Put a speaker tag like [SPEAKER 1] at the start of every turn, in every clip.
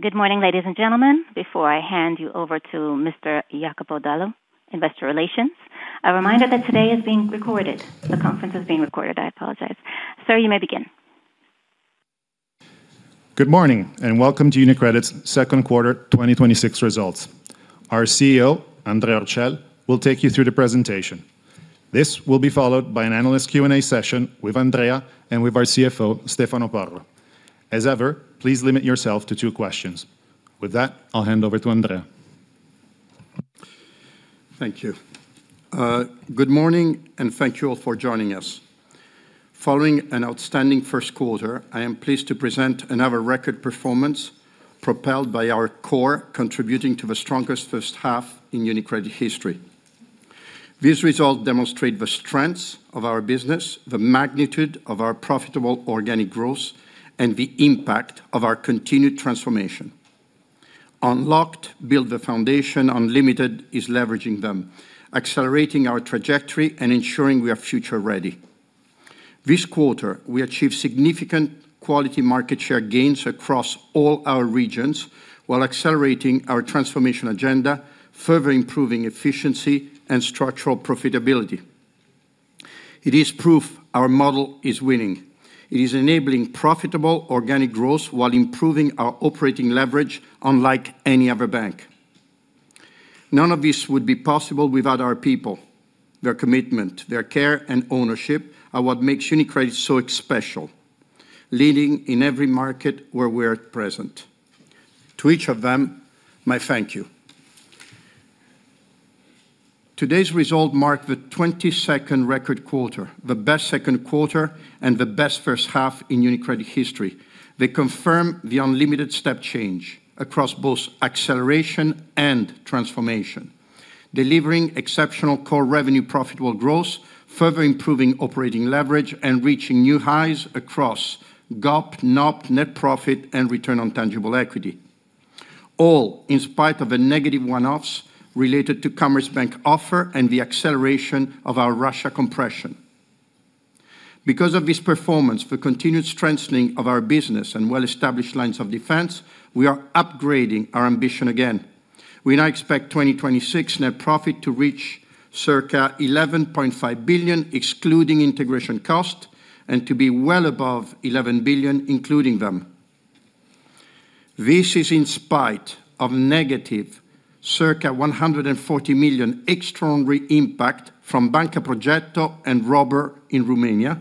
[SPEAKER 1] Good morning, ladies and gentlemen. Before I hand you over to Mr. Iacopo Dalu investor relations, a reminder that today is being recorded. The conference is being recorded. I apologize. Sir, you may begin.
[SPEAKER 2] Good morning. Welcome to UniCredit's second quarter 2026 results. Our CEO, Andrea Orcel, will take you through the presentation. This will be followed by an analyst Q&A session with Andrea and with our CFO, Stefano Porro. As ever, please limit yourself to two questions. With that, I will hand over to Andrea.
[SPEAKER 3] Thank you. Good morning. Thank you all for joining us. Following an outstanding first quarter, I am pleased to present another record performance propelled by our core contributing to the strongest first half in UniCredit history. These results demonstrate the strengths of our business, the magnitude of our profitable organic growth, and the impact of our continued transformation. Unlocked build the foundation, Unlimited is leveraging them, accelerating our trajectory and ensuring we are future-ready. This quarter, we achieved significant quality market share gains across all our regions while accelerating our transformation agenda, further improving efficiency and structural profitability. It is proof our model is winning. It is enabling profitable organic growth while improving our operating leverage unlike any other bank. None of this would be possible without our people, their commitment, their care, and ownership are what makes UniCredit so special, leading in every market where we are present. To each of them, my thank you. Today's result marked the 22nd record quarter, the best second quarter, and the best first half in UniCredit history. They confirm the Unlimited step change across both acceleration and transformation, delivering exceptional core revenue profitable growth, further improving operating leverage, and reaching new highs across GOP, NOP, net profit, and return on tangible equity, all in spite of the negative one-offs related to Commerzbank Unlocked and the acceleration of our Russia compression. Because of this performance, the continued strengthening of our business, and well-established lines of defense, we are upgrading our ambition again. We now expect 2026 net profit to reach circa 11.5 billion, excluding integration cost, and to be well above 11 billion, including them. This is in spite of negative circa 140 million extraordinary impact from Banca Progetto and [Rover] in Romania.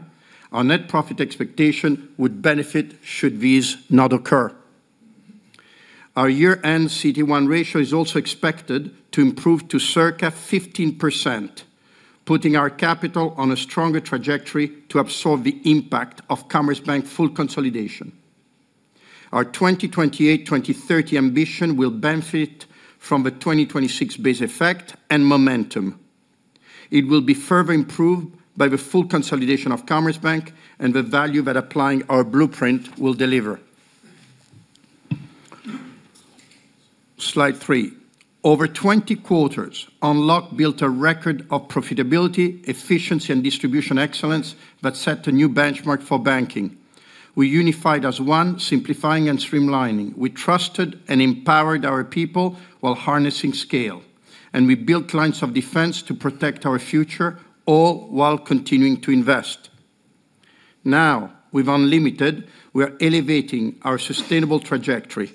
[SPEAKER 3] Our net profit expectation would benefit should these not occur. Our year-end CET1 ratio is also expected to improve to circa 15%, putting our capital on a stronger trajectory to absorb the impact of Commerzbank full consolidation. Our 2028-2030 ambition will benefit from the 2026 base effect and momentum. It will be further improved by the full consolidation of Commerzbank and the value that applying our blueprint will deliver. Slide three. Over 20 quarters, Unlocked built a record of profitability, efficiency, and distribution excellence that set a new benchmark for banking. We unified as one, simplifying and streamlining. We trusted and empowered our people while harnessing scale. We built lines of defense to protect our future, all while continuing to invest. With Unlimited, we are elevating our sustainable trajectory,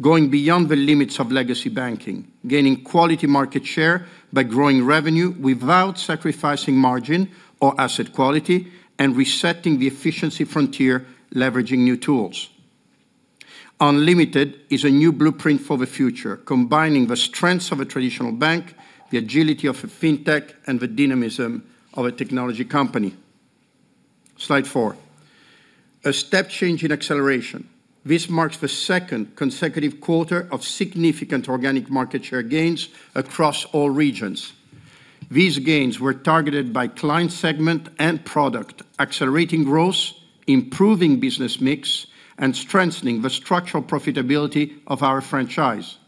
[SPEAKER 3] going beyond the limits of legacy banking, gaining quality market share by growing revenue without sacrificing margin or asset quality, and resetting the efficiency frontier, leveraging new tools. Unlimited is a new blueprint for the future, combining the strengths of a traditional bank, the agility of a fintech, and the dynamism of a technology company. Slide four. A step change in acceleration. This marks the second consecutive quarter of significant organic market share gains across all regions. These gains were targeted by client segment and product, accelerating growth, improving business mix, and strengthening the structural profitability of our franchise.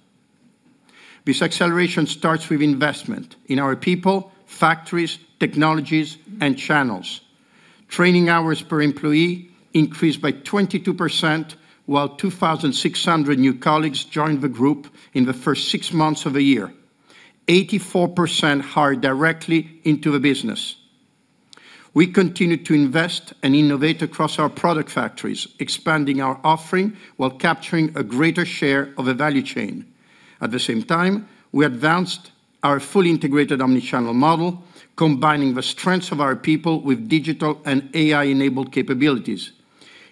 [SPEAKER 3] This acceleration starts with investment in our people, factories, technologies, and channels. Training hours per employee increased by 22%, while 2,600 new colleagues joined the group in the first six months of the year, 84% hired directly into the business. We continued to invest and innovate across our product factories, expanding our offering while capturing a greater share of the value chain. At the same time, we advanced our fully integrated omni-channel model, combining the strengths of our people with digital and AI-enabled capabilities.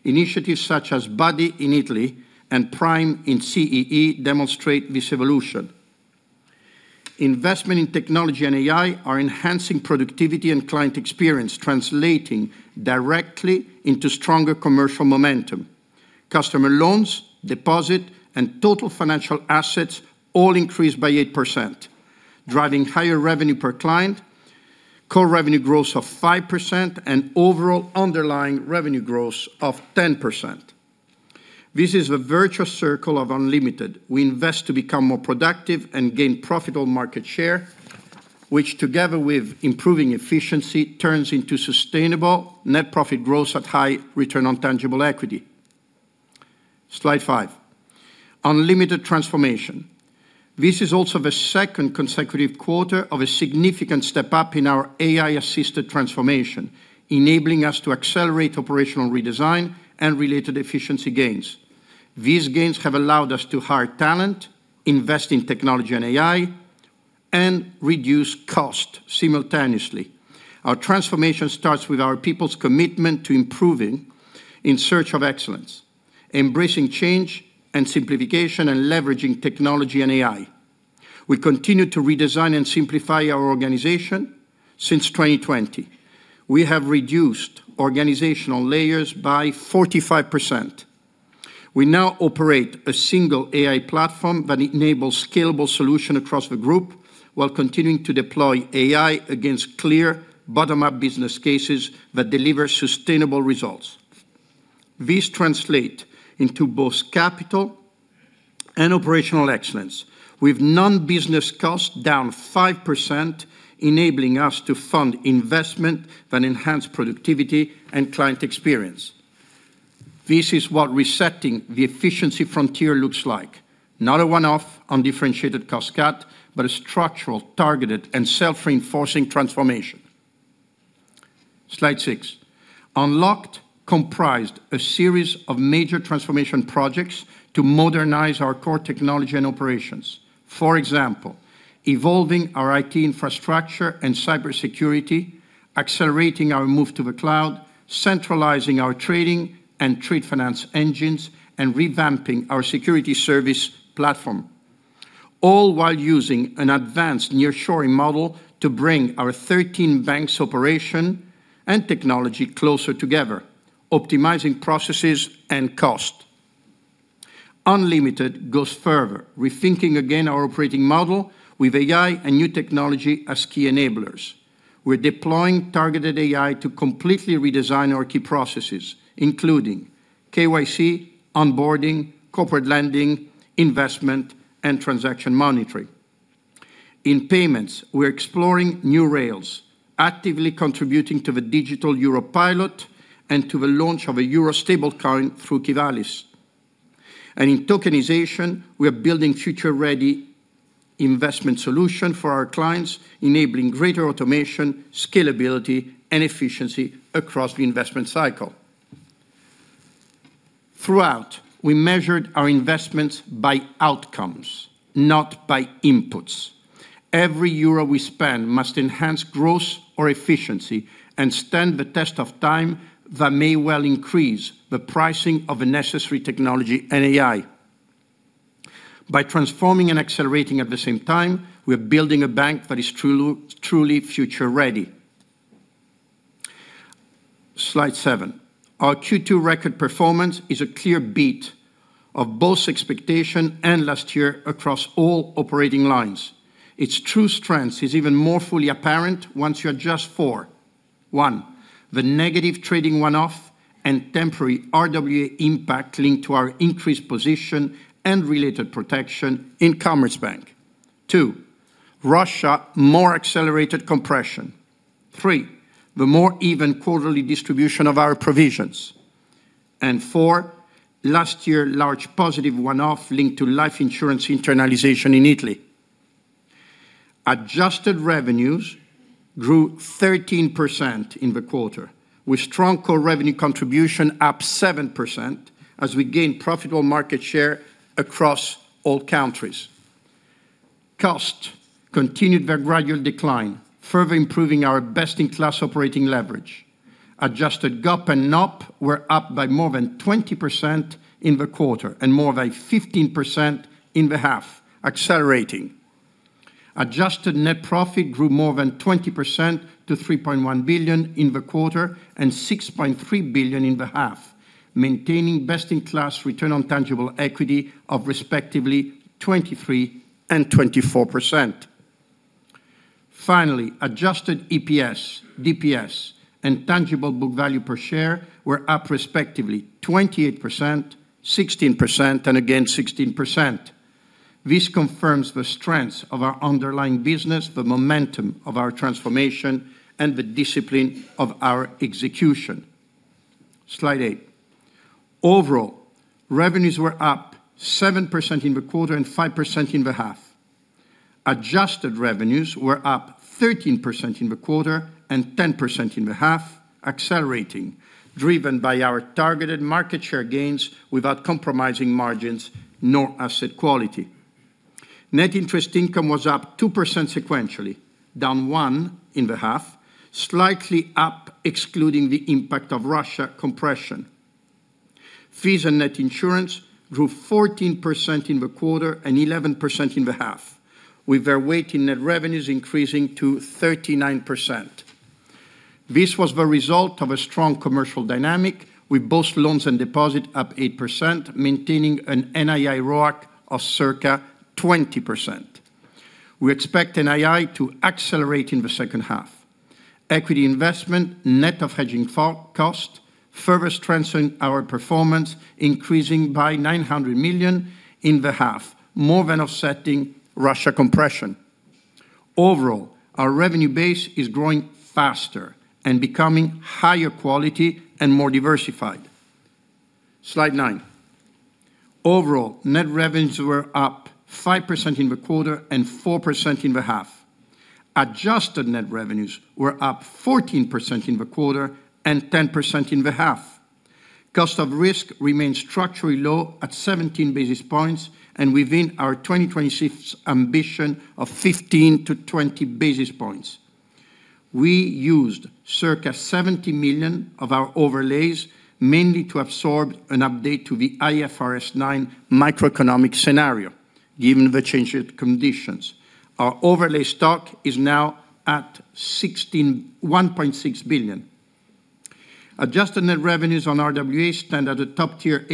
[SPEAKER 3] Initiatives such as buddy in Italy and Prime in CEE demonstrate this evolution. Investment in technology and AI are enhancing productivity and client experience, translating directly into stronger commercial momentum. Customer loans, deposit, and total financial assets all increased by 8%, driving higher revenue per client, core revenue growth of 5%, and overall underlying revenue growth of 10%. This is the virtual circle of Unlimited. We invest to become more productive and gain profitable market share. Together with improving efficiency, turns into sustainable net profit growth at high return on tangible equity. Slide five. Unlimited transformation. This is also the second consecutive quarter of a significant step up in our AI-assisted transformation, enabling us to accelerate operational redesign and related efficiency gains. These gains have allowed us to hire talent, invest in technology and AI, and reduce cost simultaneously. Our transformation starts with our people's commitment to improving in search of excellence, embracing change and simplification, and leveraging technology and AI. We continue to redesign and simplify our organization since 2020. We have reduced organizational layers by 45%. We now operate a single AI platform that enables scalable solution across the group, while continuing to deploy AI against clear bottom-up business cases that deliver sustainable results. This translate into both capital and operational excellence, with non-business costs down 5%, enabling us to fund investment that enhance productivity and client experience. This is what resetting the efficiency frontier looks like. Not a one-off on differentiated cost cut, but a structural, targeted, and self-reinforcing transformation. Slide six. Unlocked comprised a series of major transformation projects to modernize our core technology and operations. For example, evolving our IT infrastructure and cybersecurity, accelerating our move to the cloud, centralizing our trading and trade finance engines, and revamping our security service platform, all while using an advanced nearshoring model to bring our 13 banks operation and technology closer together, optimizing processes and cost. Unlimited goes further, rethinking again our operating model with AI and new technology as key enablers. We're deploying targeted AI to completely redesign our key processes, including KYC, Onboarding, Corporate Lending, Investment, and Transaction Monitoring. In payments, we're exploring new rails, actively contributing to the digital euro pilot and to the launch of a euro stablecoin through Qivalis. In tokenization, we are building future-ready investment solution for our clients, enabling greater automation, scalability, and efficiency across the investment cycle. Throughout, we measured our investments by outcomes, not by inputs. Every euro we spend must enhance growth or efficiency and stand the test of time that may well increase the pricing of a necessary technology and AI. By transforming and accelerating at the same time, we are building a bank that is truly future ready. Slide seven. Our Q2 record performance is a clear beat of both expectation and last year across all operating lines. Its true strength is even more fully apparent once you adjust for: One, the negative trading one-off and temporary RWA impact linked to our increased position and related protection in Commerzbank. Two, Russia more accelerated compression. Three, the more even quarterly distribution of our provisions. And four last year, large positive one-off linked to life insurance internalization in Italy. Adjusted revenues grew 13% in the quarter, with strong core revenue contribution up 7% as we gain profitable market share across all countries. Cost continued their gradual decline, further improving our best-in-class operating leverage. Adjusted GOP and NOP were up by more than 20% in the quarter and more than 15% in the half, accelerating. Adjusted net profit grew more than 20% to 3.1 billion in the quarter and 6.3 billion in the half, maintaining best-in-class return on tangible equity of respectively 23% and 24%. Finally, adjusted EPS, DPS, and tangible book value per share were up respectively 28%, 16%, and again 16%. This confirms the strength of our underlying business, the momentum of our transformation, and the discipline of our execution. Slide eight. Overall, revenues were up 7% in the quarter and 5% in the half. Adjusted revenues were up 13% in the quarter and 10% in the half, accelerating, driven by our targeted market share gains without compromising margins nor asset quality. Net interest income was up 2% sequentially, down 1% in the half, slightly up excluding the impact of Russia compression. Fees and net insurance grew 14% in the quarter and 11% in the half, with our weighting net revenues increasing to 39%. This was the result of a strong commercial dynamic with both loans and deposit up 8%, maintaining an NII ROIC of circa 20%. We expect NII to accelerate in the second half. Equity investment, net of hedging cost, further strengthened our performance, increasing by 900 million in the half, more than offsetting Russia compression. Overall, our revenue base is growing faster and becoming higher quality and more diversified. Slide nine. Overall, net revenues were up 5% in the quarter and 4% in the half. Adjusted net revenues were up 14% in the quarter and 10% in the half. Cost of risk remains structurally low at 17 basis points, and within our 2026 ambition of 15 basis points-20 basis points. We used circa 70 million of our overlays, mainly to absorb an update to the IFRS 9 macroeconomic scenario, given the changed conditions. Our overlay stock is now at 1.6 billion. Adjusted net revenues on RWA stand at a top-tier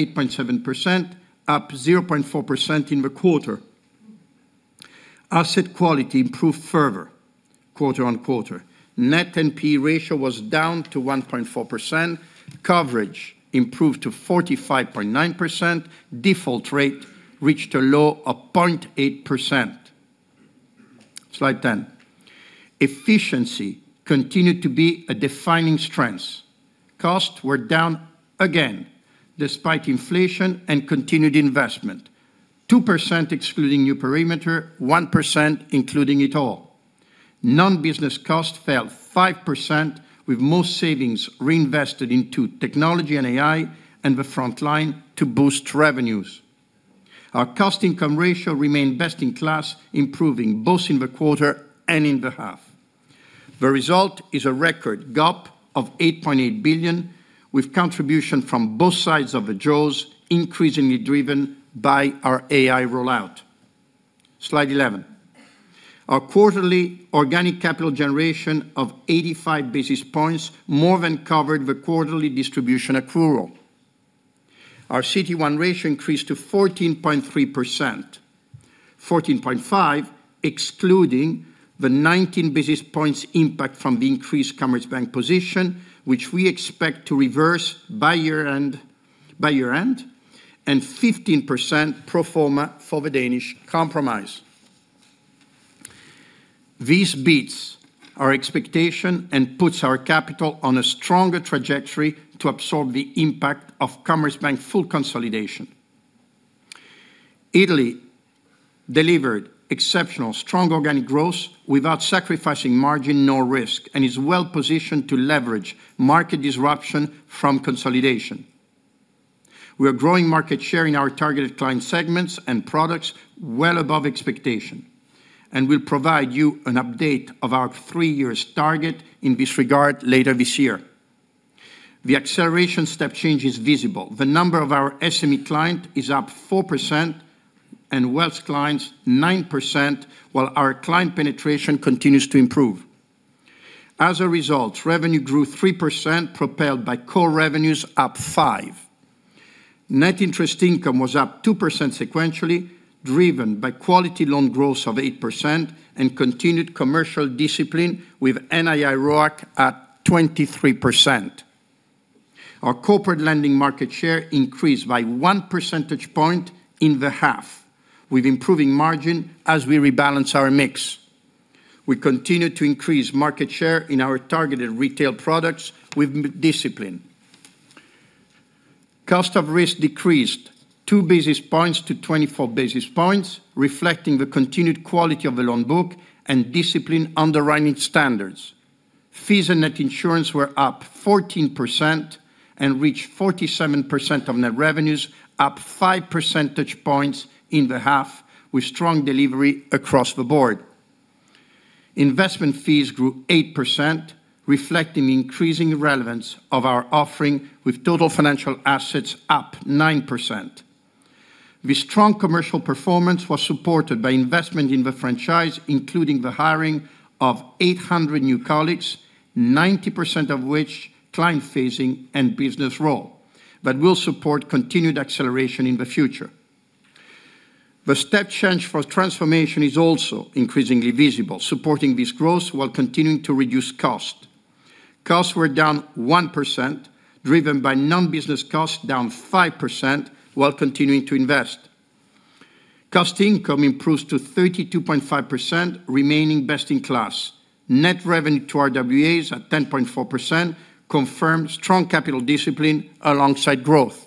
[SPEAKER 3] 8.7%, up 0.4% in the quarter. Asset quality improved further, quarter-on-quarter. Net NPE ratio was down to 1.4%. Coverage improved to 45.9%. Default rate reached a low of 0.8%. Slide 10. Efficiency continued to be a defining strength. Costs were down again, despite inflation and continued investment. 2% excluding new perimeter, 1% including it all. Non-business costs fell 5%, with most savings reinvested into technology and AI, and the frontline to boost revenues. Our cost-income ratio remained best in class, improving both in the quarter and in the half. The result is a record GOP of 8.8 billion, with contribution from both sides of the jaws, increasingly driven by our AI rollout. Slide 11. Our quarterly organic capital generation of 85 basis points more than covered the quarterly distribution accrual. Our CET1 ratio increased to 14.3%, 14.5% excluding the 19 basis points impact from the increased Commerzbank position, which we expect to reverse by year-end, and 15% pro forma for the Danish Compromise. This beats our expectation and puts our capital on a stronger trajectory to absorb the impact of Commerzbank full consolidation. Italy delivered exceptional strong organic growth without sacrificing margin nor risk, and is well-positioned to leverage market disruption from consolidation. We are growing market share in our targeted client segments and products well above expectation, and we'll provide you an update of our three years target in this regard later this year. The acceleration step change is visible. The number of our SME client is up 4% and Wealth clients 9%, while our client penetration continues to improve. As a result, revenue grew 3%, propelled by core revenues up 5%. Net interest income was up 2% sequentially, driven by quality loan growth of 8% and continued commercial discipline with NII ROIC at 23%. Our corporate lending market share increased by 1 percentage point in the half, with improving margin as we rebalance our mix. We continue to increase market share in our targeted retail products with discipline. Cost of risk decreased 2 basis points-24 basis points, reflecting the continued quality of the loan book and discipline underwriting standards. Fees and net insurance were up 14% and reached 47% of net revenues, up 5 percentage points in the half, with strong delivery across the board. Investment fees grew 8%, reflecting increasing relevance of our offering with total financial assets up 9%. The strong commercial performance was supported by investment in the franchise, including the hiring of 800 new colleagues, 90% of which client-facing and business role, that will support continued acceleration in the future. The step change for transformation is also increasingly visible, supporting this growth while continuing to reduce cost. Costs were down 1%, driven by non-business costs down 5%, while continuing to invest. Cost income improves to 32.5%, remaining best in class. Net revenue to RWAs at 10.4% confirms strong capital discipline alongside growth.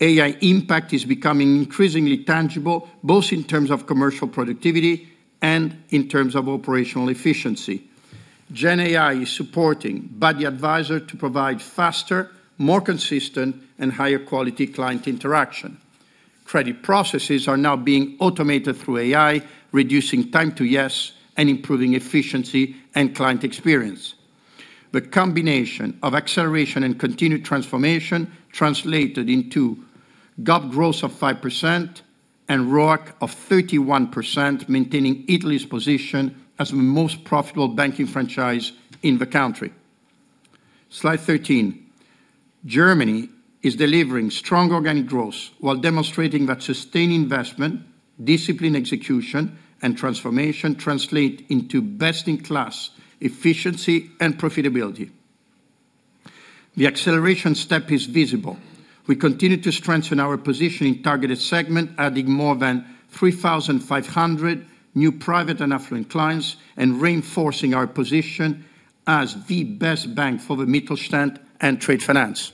[SPEAKER 3] AI impact is becoming increasingly tangible, both in terms of commercial productivity and in terms of operational efficiency. GenAI is supporting Buddy Advisor to provide faster, more consistent, and higher quality client interaction. Credit processes are now being automated through AI, reducing time to yes and improving efficiency and client experience. The combination of acceleration and continued transformation translated into GAAP growth of 5% and ROIC of 31%, maintaining Italy's position as the most profitable banking franchise in the country. Slide 13. Germany is delivering strong organic growth while demonstrating that sustained investment, disciplined execution, and transformation translate into best-in-class efficiency and profitability. The acceleration step is visible. We continue to strengthen our position in targeted segment, adding more than 3,500 new Private and Affluent clients and reinforcing our position as the best bank for the Mittelstand and trade finance.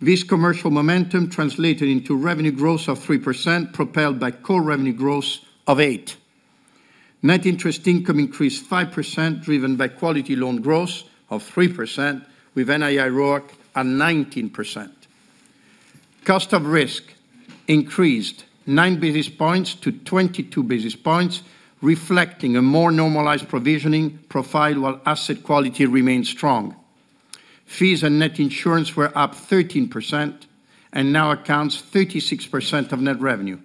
[SPEAKER 3] This commercial momentum translated into revenue growth of 3%, propelled by core revenue growth of 8%. Net interest income increased 5%, driven by quality loan growth of 3% with NII ROIC at 19%. Cost of risk increased 9 basis points-22 basis points, reflecting a more normalized provisioning profile while asset quality remains strong. Fees and net insurance were up 13% and now accounts 36% of net revenue,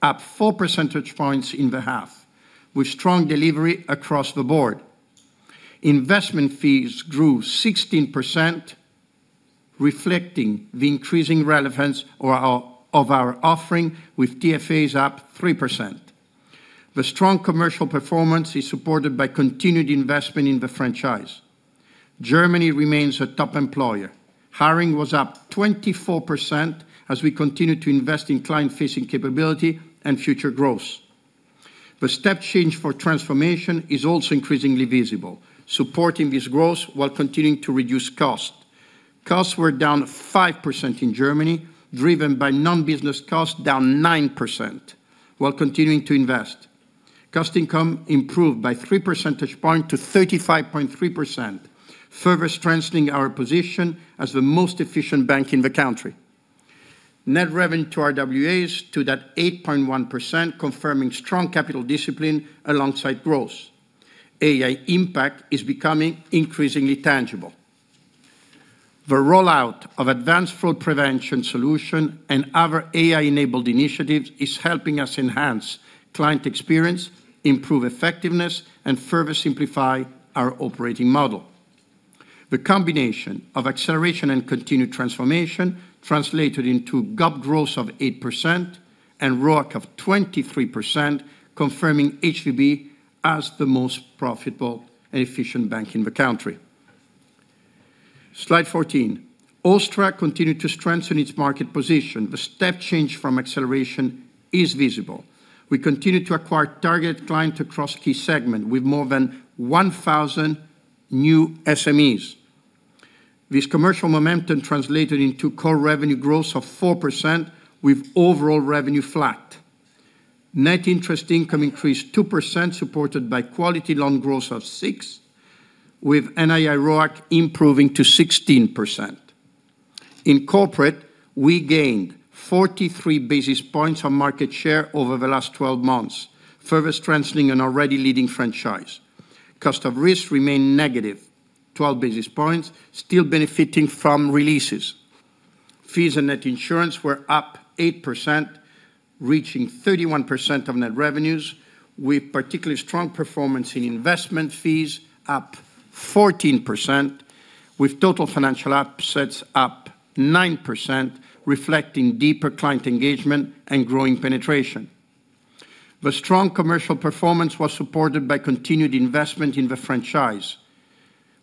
[SPEAKER 3] up 4 percentage points in the half, with strong delivery across the board. Investment fees grew 16%, reflecting the increasing relevance of our offering with TFAs up 3%. The strong commercial performance is supported by continued investment in the franchise. Germany remains a top employer. Hiring was up 24% as we continue to invest in client-facing capability and future growth. The step change for transformation is also increasingly visible, supporting this growth while continuing to reduce cost. Costs were down 5% in Germany, driven by non-business costs down 9% while continuing to invest. Cost income improved by 3 percentage points to 35.3%, further strengthening our position as the most efficient bank in the country. Net revenue to RWAs stood at 8.1%, confirming strong capital discipline alongside growth. AI impact is becoming increasingly tangible. The rollout of advanced fraud prevention solution and other AI-enabled initiatives is helping us enhance client experience, improve effectiveness, and further simplify our operating model. The combination of acceleration and continued transformation translated into GAAP growth of 8% and ROIC of 23%, confirming HVB as the most profitable and efficient bank in the country. Slide 14. Austria continued to strengthen its market position. The step change from acceleration is visible. We continued to acquire target client across key segment with more than 1,000 new SMEs. This commercial momentum translated into core revenue growth of 4% with overall revenue flat. Net interest income increased 2%, supported by quality loan growth of 6%, with NII ROIC improving to 16%. In corporate, we gained 43 basis points on market share over the last 12 months, further strengthening an already leading franchise. Cost of risk remained negative 12 basis points, still benefiting from releases. Fees and net insurance were up 8%, reaching 31% of net revenues, with particularly strong performance in investment fees up 14%, with Total Financial Assets up 9%, reflecting deeper client engagement and growing penetration. The strong commercial performance was supported by continued investment in the franchise.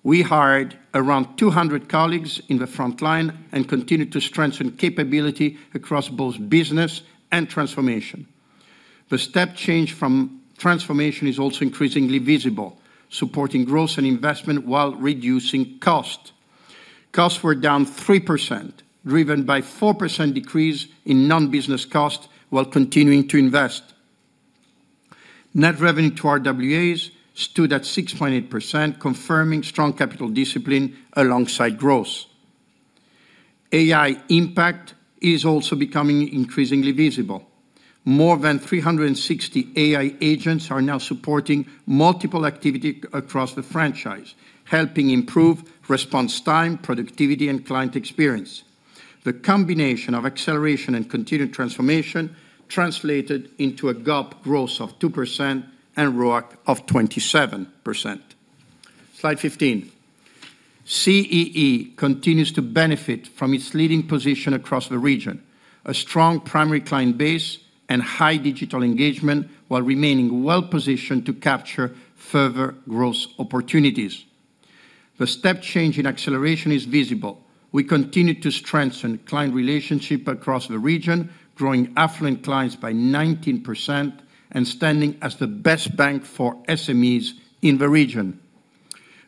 [SPEAKER 3] We hired around 200 colleagues in the frontline and continued to strengthen capability across both business and transformation. The step change from transformation is also increasingly visible, supporting growth and investment while reducing cost. Costs were down 3%, driven by 4% decrease in non-business cost while continuing to invest. Net revenue to RWAs stood at 6.8%, confirming strong capital discipline alongside growth. AI impact is also becoming increasingly visible. More than 360 AI agents are now supporting multiple activity across the franchise, helping improve response time, productivity, and client experience. The combination of acceleration and continued transformation translated into a GAAP growth of 2% and ROIC of 27%. Slide 15. CEE continues to benefit from its leading position across the region. A strong primary client base and high digital engagement while remaining well-positioned to capture further growth opportunities. The step change in acceleration is visible. We continued to strengthen client relationship across the region, growing affluent clients by 19% and standing as the best bank for SMEs in the region.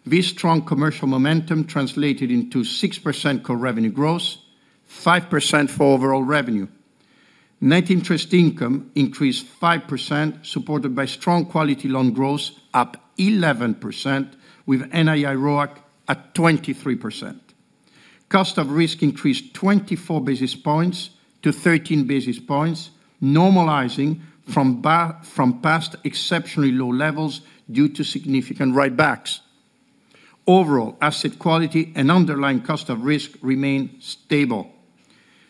[SPEAKER 3] This strong commercial momentum translated into 6% core revenue growth, 5% for overall revenue. Net interest income increased 5%, supported by strong quality loan growth up 11%, with NII ROIC at 23%. Cost of risk increased 24 basis points-13 basis points, normalizing from past exceptionally low levels due to significant write-backs. Overall, asset quality and underlying cost of risk remain stable.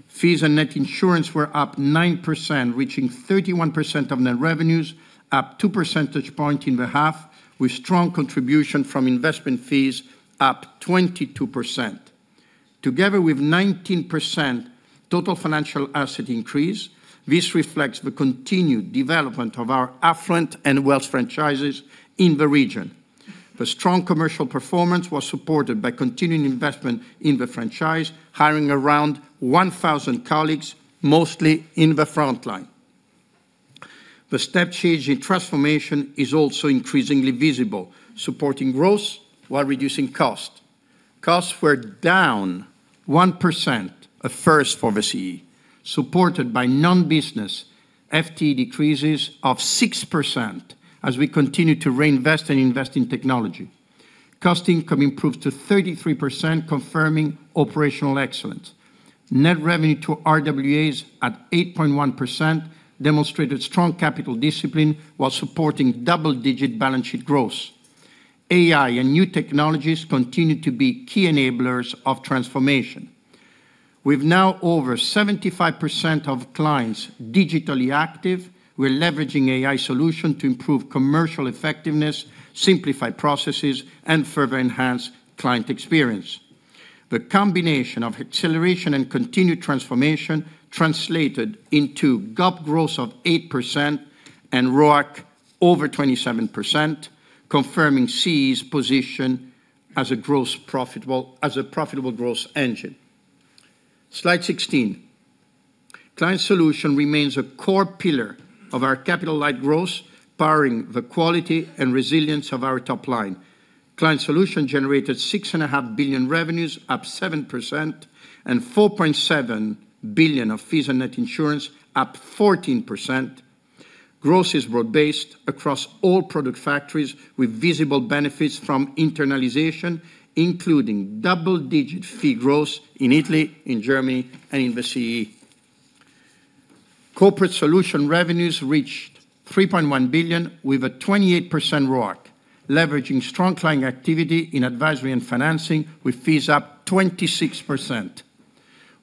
[SPEAKER 3] Fees and net insurance were up 9%, reaching 31% of net revenues, up 2 percentage points in the half, with strong contribution from investment fees up 22%. Together with 19% Total Financial Asset increase, this reflects the continued development of our affluent and wealth franchises in the region. The strong commercial performance was supported by continuing investment in the franchise, hiring around 1,000 colleagues, mostly in the frontline. The step change in transformation is also increasingly visible, supporting growth while reducing cost. Costs were down 1%, a first for the CEE, supported by non-business FTE decreases of 6% as we continue to reinvest and invest in technology. Cost income improved to 33%, confirming operational excellence. Net revenue to RWAs at 8.1% demonstrated strong capital discipline while supporting double-digit balance sheet growth. AI and new technologies continue to be key enablers of transformation. With now over 75% of clients digitally active, we're leveraging AI solution to improve commercial effectiveness, simplify processes, and further enhance client experience. The combination of acceleration and continued transformation translated into GAAP growth of 8% and ROIC over 27%, confirming CEE's position as a profitable growth engine. Slide 16. Client Solutions remains a core pillar of our capital light growth, powering the quality and resilience of our top line. Client Solutions generated 6.5 billion revenues, up 7%, and 4.7 billion of fees and net insurance, up 14%. Growth is broad-based across all product factories, with visible benefits from internalization, including double-digit fee growth in Italy, in Germany, and in the CEE. Corporate solution revenues reached 3.1 billion with a 28% ROIC, leveraging strong client activity in advisory and financing with fees up 26%.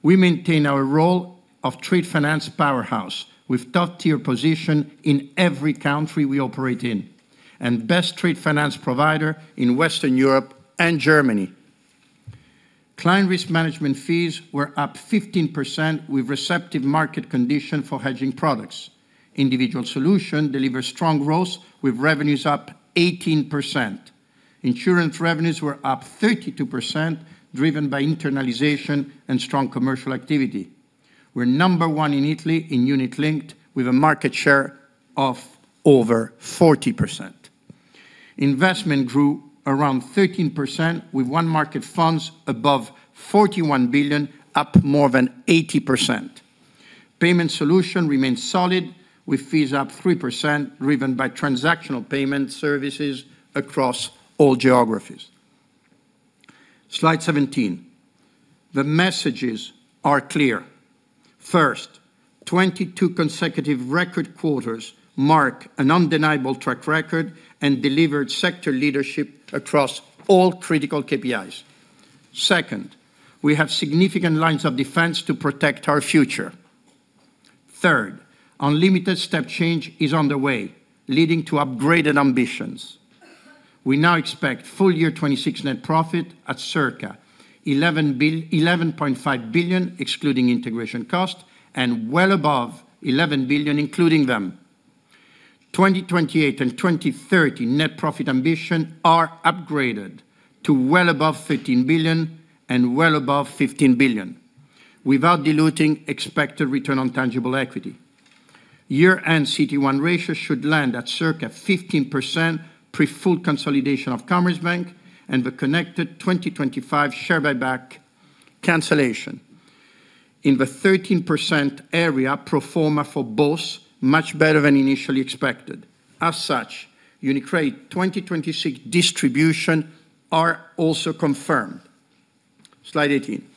[SPEAKER 3] We maintain our role of trade finance powerhouse with top-tier position in every country we operate in, and best trade finance provider in Western Europe and Germany. Client risk management fees were up 15% with receptive market condition for hedging products. Individual solution delivers strong growth with revenues up 18%. Insurance revenues were up 32%, driven by internalization and strong commercial activity. We're number one in Italy in unit-linked with a market share of over 40%. Investment grew around 13% with onemarkets funds above 41 billion, up more than 80%. Payment solution remains solid with fees up 3%, driven by transactional payment services across all geographies. Slide 17. The messages are clear. First, 22 consecutive record quarters mark an undeniable track record and delivered sector leadership across all critical KPIs. Second, we have significant lines of defense to protect our future. Third, Unlimited step change is on the way, leading to upgraded ambitions. We now expect full year 2026 net profit at circa 11.5 billion, excluding integration cost, and well above 11 billion, including them. 2028 and 2030 net profit ambition are upgraded to well above 13 billion and well above 15 billion, without diluting expected return on tangible equity. Year-end CET1 ratio should land at circa 15% pre full consolidation of Commerzbank and the connected 2025 share buyback cancellation. In the 13% area pro forma for both, much better than initially expected. Such, UniCredit 2026 distribution are also confirmed. Slide 18.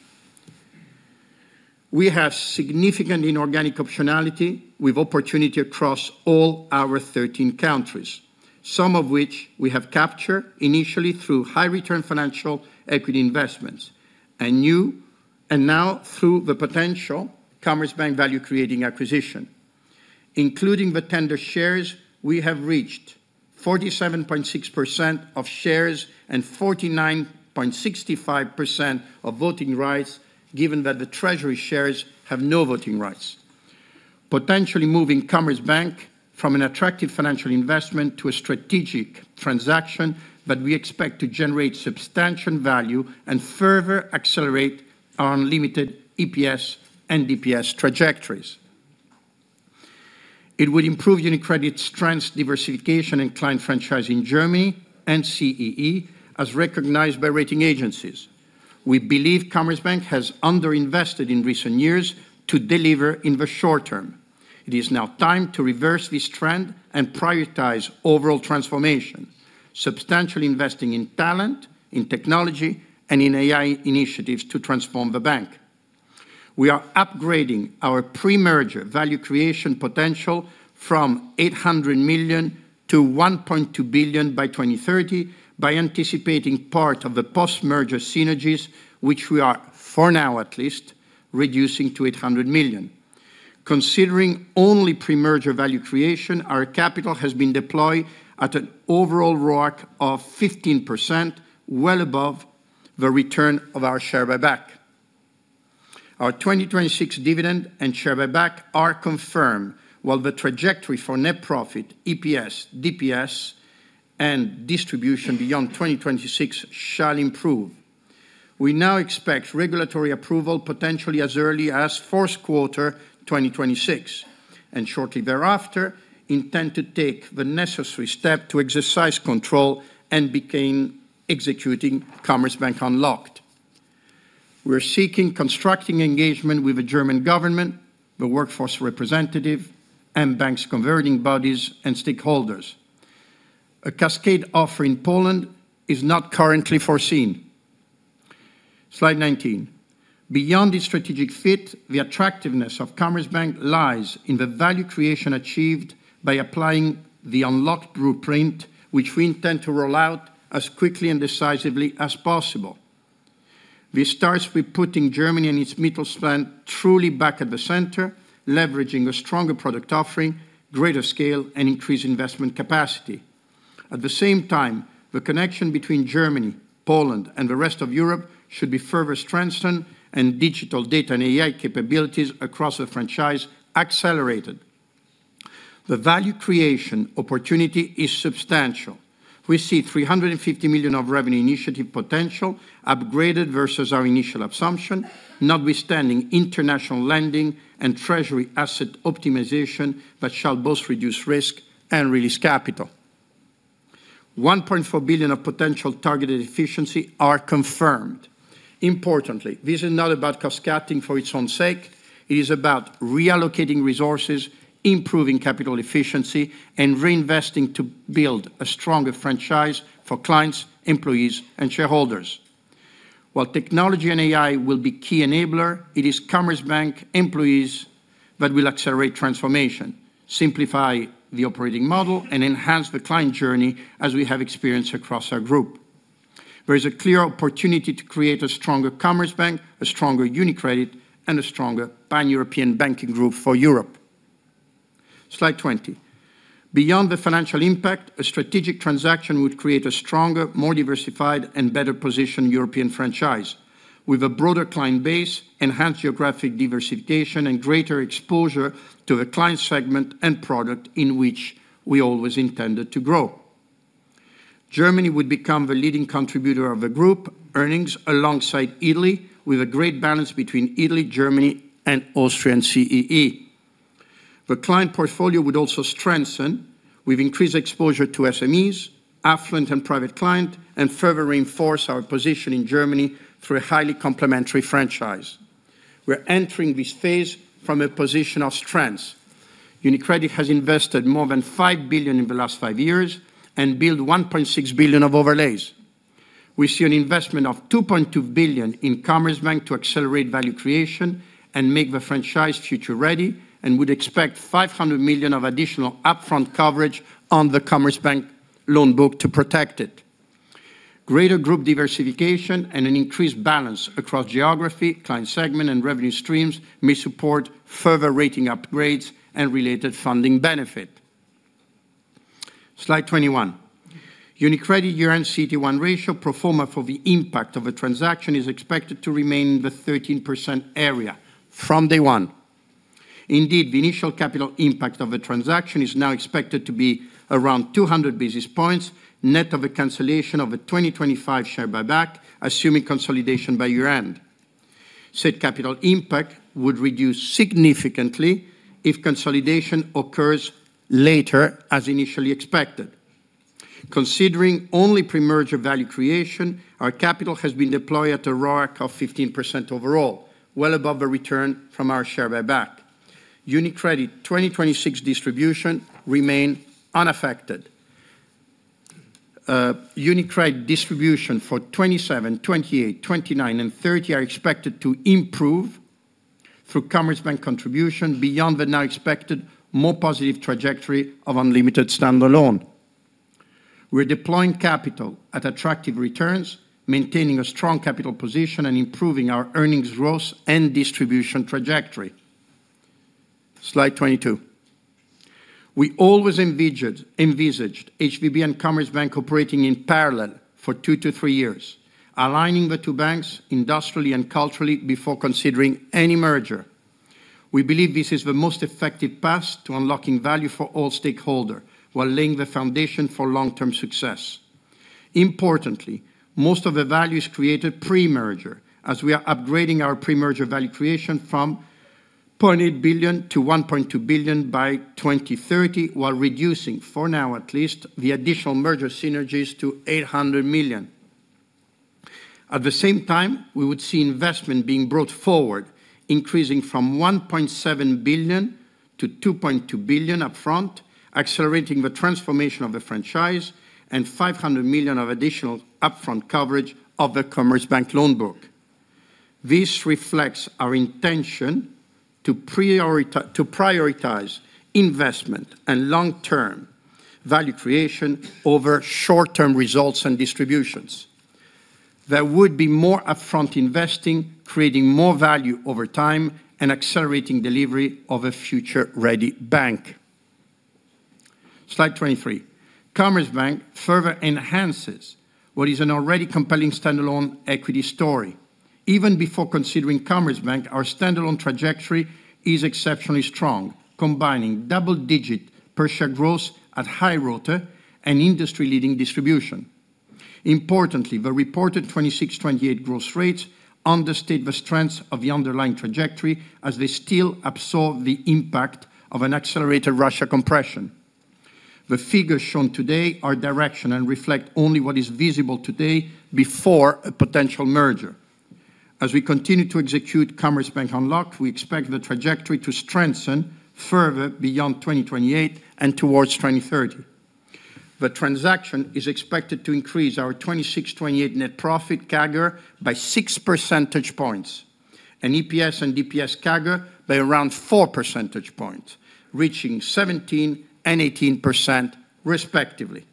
[SPEAKER 3] We have significant inorganic optionality with opportunity across all our 13 countries, some of which we have captured initially through high return financial equity investments, and now through the potential Commerzbank value-creating acquisition. Including the tender shares, we have reached 47.6% of shares and 49.65% of voting rights, given that the treasury shares have no voting rights. Potentially moving Commerzbank from an attractive financial investment to a strategic transaction that we expect to generate substantial value and further accelerate our Unlimited EPS and DPS trajectories. It will improve UniCredit's strengths, diversification, and client franchise in Germany and CEE, as recognized by rating agencies. We believe Commerzbank has underinvested in recent years to deliver in the short term. It is now time to reverse this trend and prioritize overall transformation, substantially investing in talent, in technology, and in AI initiatives to transform the bank. We are upgrading our pre-merger value creation potential from 800 million-1.2 billion by 2030 by anticipating part of the post-merger synergies, which we are, for now at least, reducing to 800 million. Considering only pre-merger value creation, our capital has been deployed at an overall ROIC of 15%, well above the return of our share buyback. Our 2026 dividend and share buyback are confirmed, while the trajectory for net profit, EPS, DPS, and distribution beyond 2026 shall improve. We now expect regulatory approval potentially as early as the first quarter 2026, and shortly thereafter, intend to take the necessary step to exercise control and begin executing Commerzbank Unlocked. We're seeking constructive engagement with the German government, the workforce representative, and bank's governing bodies and stakeholders. A cascade offer in Poland is not currently foreseen. Slide 19. Beyond the strategic fit, the attractiveness of Commerzbank lies in the value creation achieved by applying the Unlocked blueprint, which we intend to roll out as quickly and decisively as possible. This starts with putting Germany and its Mittelstand truly back at the center, leveraging a stronger product offering, greater scale, and increased investment capacity. At the same time, the connection between Germany, Poland, and the rest of Europe should be further strengthened and digital data and AI capabilities across the franchise accelerated. The value creation opportunity is substantial. We see 350 million of revenue initiative potential upgraded versus our initial assumption, notwithstanding international lending and treasury asset optimization that shall both reduce risk and release capital. 1.4 billion of potential targeted efficiency are confirmed. Importantly, this is not about cost-cutting for its own sake. It is about reallocating resources, improving capital efficiency, and reinvesting to build a stronger franchise for clients, employees, and shareholders. While technology and AI will be key enablers, it is Commerzbank employees that will accelerate transformation, simplify the operating model, and enhance the client journey as we have experienced across our group. There is a clear opportunity to create a stronger Commerzbank, a stronger UniCredit, and a stronger Pan-European banking group for Europe. Slide 20. Beyond the financial impact, a strategic transaction would create a stronger, more diversified, and better-positioned European franchise with a broader client base, enhanced geographic diversification, and greater exposure to the client segment and product in which we always intended to grow. Germany would become the leading contributor of the group earnings alongside Italy, with a great balance between Italy, Germany, and Austrian CEE. The client portfolio would also strengthen with increased exposure to SMEs, affluent and private clients, and further reinforce our position in Germany through a highly complementary franchise. We're entering this phase from a position of strength. UniCredit has invested more than 5 billion in the last five years and built 1.6 billion of overlays. We see an investment of 2.2 billion in Commerzbank to accelerate value creation and make the franchise future-ready and would expect 500 million of additional upfront coverage on the Commerzbank loan book to protect it. Greater group diversification and an increased balance across geography, client segment, and revenue streams may support further rating upgrades and related funding benefit. Slide 21. UniCredit year-end CET1 ratio pro forma for the impact of a transaction is expected to remain in the 13% area from day one. Indeed, the initial capital impact of the transaction is now expected to be around 200 basis points net of a cancellation of a 2025 share buyback, assuming consolidation by year-end. Said capital impact would reduce significantly if consolidation occurs later as initially expected. Considering only pre-merger value creation, our capital has been deployed at a ROIC of 15% overall, well above the return from our share buyback. UniCredit 2026 distribution remain unaffected. UniCredit distribution for 2027, 2028, 2029, and 2030 are expected to improve through Commerzbank contribution beyond the now expected more positive trajectory of UniCredit Unlimited standalone. We're deploying capital at attractive returns, maintaining a strong capital position, and improving our earnings growth and distribution trajectory. Slide 22. We always envisaged HVB and Commerzbank operating in parallel for two to three years, aligning the two banks industrially and culturally before considering any merger. We believe this is the most effective path to unlocking value for all stakeholders while laying the foundation for long-term success. Importantly, most of the value is created pre-merger, as we are upgrading our pre-merger value creation from 0.8 billion-1.2 billion by 2030, while reducing, for now at least, the additional merger synergies to 800 million. At the same time, we would see investment being brought forward, increasing from 1.7 billion-2.2 billion upfront, accelerating the transformation of the franchise and 500 million of additional upfront coverage of the Commerzbank loan book. This reflects our intention to prioritize investment and long-term value creation over short-term results and distributions. There would be more upfront investing, creating more value over time, and accelerating delivery of a future-ready bank. Slide 23. Commerzbank further enhances what is an already compelling standalone equity story. Even before considering Commerzbank, our standalone trajectory is exceptionally strong, combining double-digit per share growth at high RoTE and industry-leading distribution. Importantly, the reported 2026, 2028 growth rates understate the strengths of the underlying trajectory, as they still absorb the impact of an accelerated Russia compression. The figures shown today are direction and reflect only what is visible today before a potential merger. As we continue to execute Commerzbank Unlocked, we expect the trajectory to strengthen further beyond 2028 and towards 2030. The transaction is expected to increase our 2026, 2028 net profit CAGR by 6 percentage points, and EPS and DPS CAGR by around 4 percentage points, reaching 17% and 18%, respectively.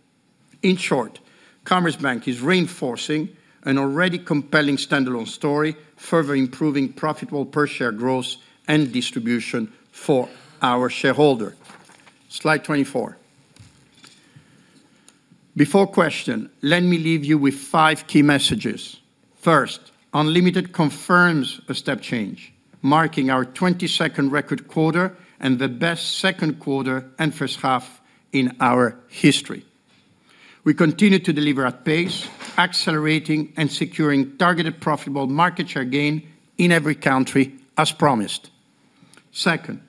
[SPEAKER 3] Commerzbank is reinforcing an already compelling standalone story, further improving profitable per share growth and distribution for our shareholder. Slide 24. Before questions, let me leave you with five key messages. First, UniCredit Unlimited confirms a step change, marking our 22nd record quarter and the best second quarter and first half in our history. We continue to deliver at pace, accelerating and securing targeted profitable market share gain in every country as promised. Second,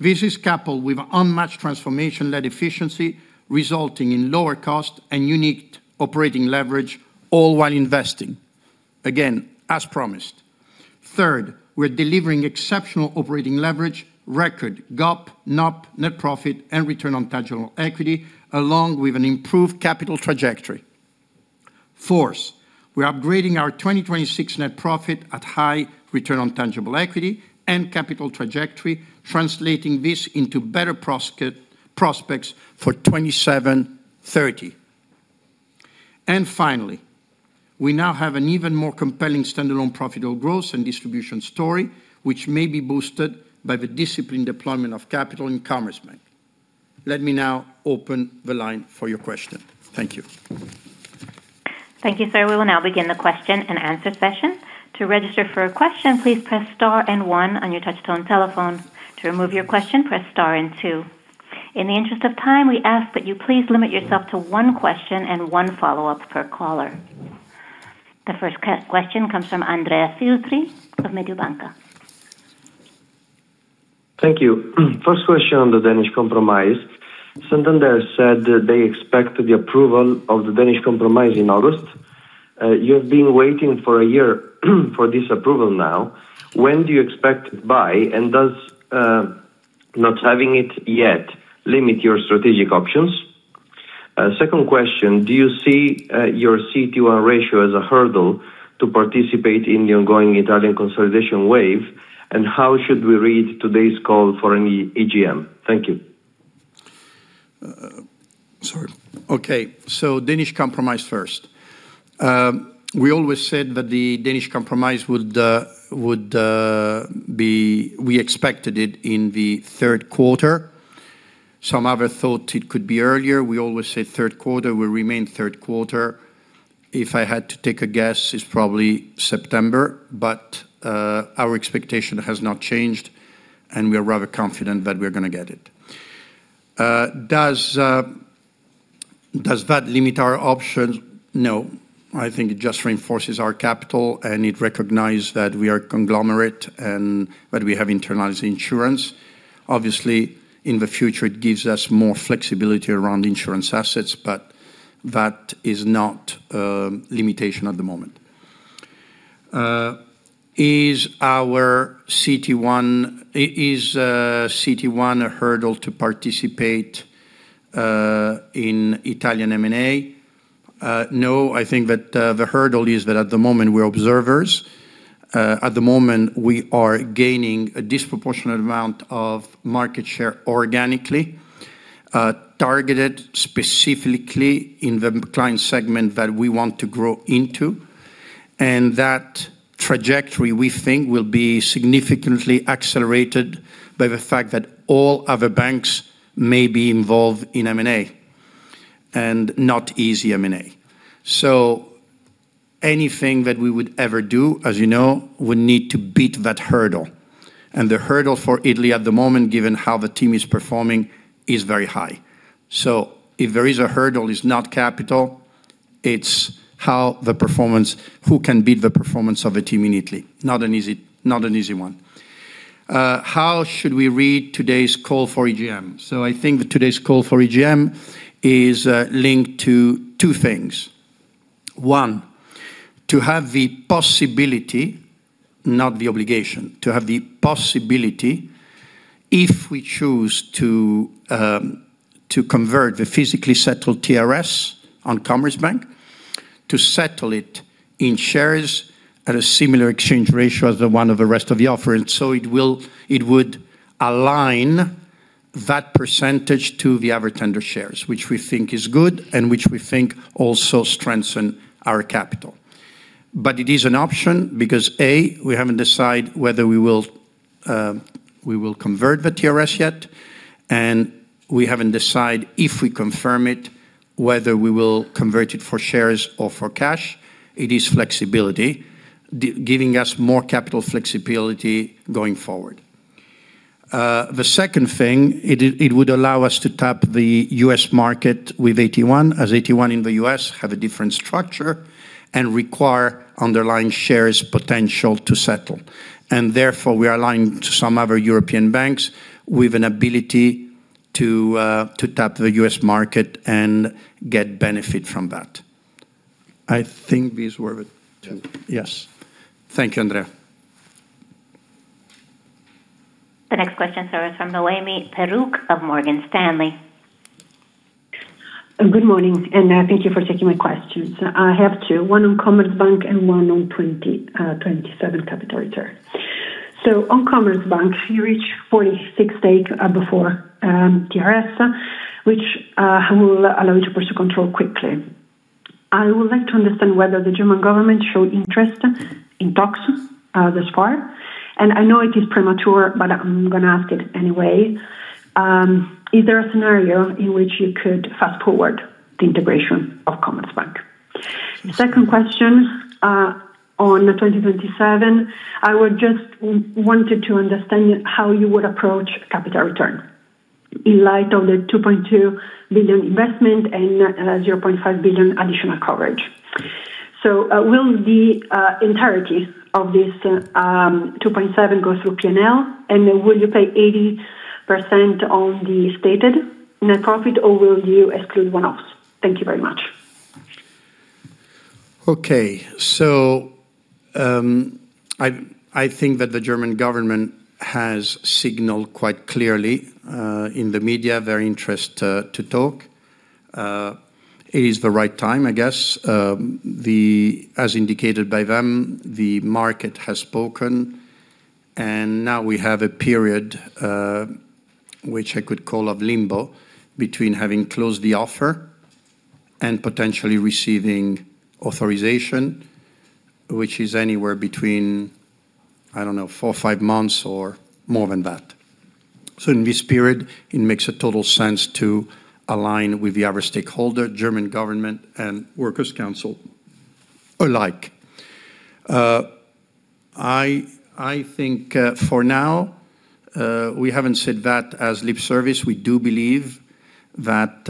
[SPEAKER 3] this is coupled with unmatched transformation-led efficiency, resulting in lower cost and unique operating leverage all while investing. Again, as promised. Third, we're delivering exceptional operating leverage, record GAAP, NOP, net profit, and return on tangible equity, along with an improved capital trajectory. Fourth, we're upgrading our 2026 net profit at high return on tangible equity and capital trajectory, translating this into better prospects for 2027-2030. Finally, we now have an even more compelling standalone profitable growth and distribution story, which may be boosted by the disciplined deployment of capital in Commerzbank. Let me now open the line for your question. Thank you.
[SPEAKER 1] Thank you, sir. We will now begin the question-and-answer session. To register for a question, please press star and one on your touchtone telephone. To remove your question, press star and two. In the interest of time, we ask that you please limit yourself to one question and one follow-up per caller. The first question comes from Andrea Filtri of Mediobanca.
[SPEAKER 4] Thank you. First question on the Danish Compromise. Santander said that they expect the approval of the Danish Compromise in August. You have been waiting for a year for this approval now. When do you expect by? Does not having it yet limit your strategic options? Second question, do you see your CET1 ratio as a hurdle to participate in the ongoing Italian consolidation wave? How should we read today's call for an EGM? Thank you.
[SPEAKER 3] Sorry. Okay, Danish Compromise first. We always said that the Danish Compromise we expected it in the third quarter. Some others thought it could be earlier. We always said third quarter, will remain third quarter. If I had to take a guess, it's probably September. Our expectation has not changed, and we're rather confident that we're going to get it. Does that limit our options? I think it just reinforces our capital, and it recognizes that we are conglomerate and that we have internalized insurance. Obviously, in the future, it gives us more flexibility around insurance assets. That is not a limitation at the moment. Is CET1 a hurdle to participate in Italian M&A? I think that the hurdle is that at the moment we're observers. At the moment, we are gaining a disproportionate amount of market share organically, targeted specifically in the client segment that we want to grow into. That trajectory, we think, will be significantly accelerated by the fact that all other banks may be involved in M&A, and not easy M&A. Anything that we would ever do, as you know, would need to beat that hurdle, and the hurdle for Italy at the moment, given how the team is performing, is very high. If there is a hurdle, it's not capital, it's who can beat the performance of a team in Italy. Not an easy one. How should we read today's call for EGM? I think that today's call for EGM is linked to two things. One, to have the possibility, not the obligation, to have the possibility if we choose to convert the physically settled TRS on Commerzbank, to settle it in shares at a similar exchange ratio as the one of the rest of the offer. It would align that percentage to the average tender shares, which we think is good and which we think also strengthens our capital. It is an option because, A, we haven't decided whether we will convert the TRS yet, and we haven't decided if we confirm it, whether we will convert it for shares or for cash. It is flexibility, giving us more capital flexibility going forward. The second thing, it would allow us to tap the U.S. market with AT1, as AT1 in the U.S. have a different structure and require underlying shares potential to settle. Therefore, we are aligned to some other European banks with an ability to tap the U.S. market and get benefit from that. I think these were the two. Yes. Thank you, Andrea.
[SPEAKER 1] The next question, sir, is from Noemi Peruch of Morgan Stanley.
[SPEAKER 5] Good morning. Thank you for taking my questions. I have two, one on Commerzbank and one on 2027 capital return. On Commerzbank, you reached 46% stake before TRS, which will allow you to push the control quickly. I would like to understand whether the German government showed interest in talks thus far. I know it is premature, but I'm going to ask it anyway. Is there a scenario in which you could fast-forward the integration of Commerzbank? The second question, on the 2027, I just wanted to understand how you would approach capital return in light of the 2.2 billion investment and 0.5 billion additional coverage. Will the entirety of this 2.7 go through P&L? Will you pay 80% on the stated net profit, or will you exclude one-offs? Thank you very much.
[SPEAKER 3] Okay. I think that the German government has signaled quite clearly, in the media, their interest to talk. It is the right time, I guess. As indicated by them, the market has spoken, and now we have a period, which I could call of limbo, between having closed the offer and potentially receiving authorization, which is anywhere between, I don't know, four or five months or more than that. In this period, it makes a total sense to align with the other stakeholder, German government and workers' council alike. I think, for now, we haven't said that as lip service. We do believe that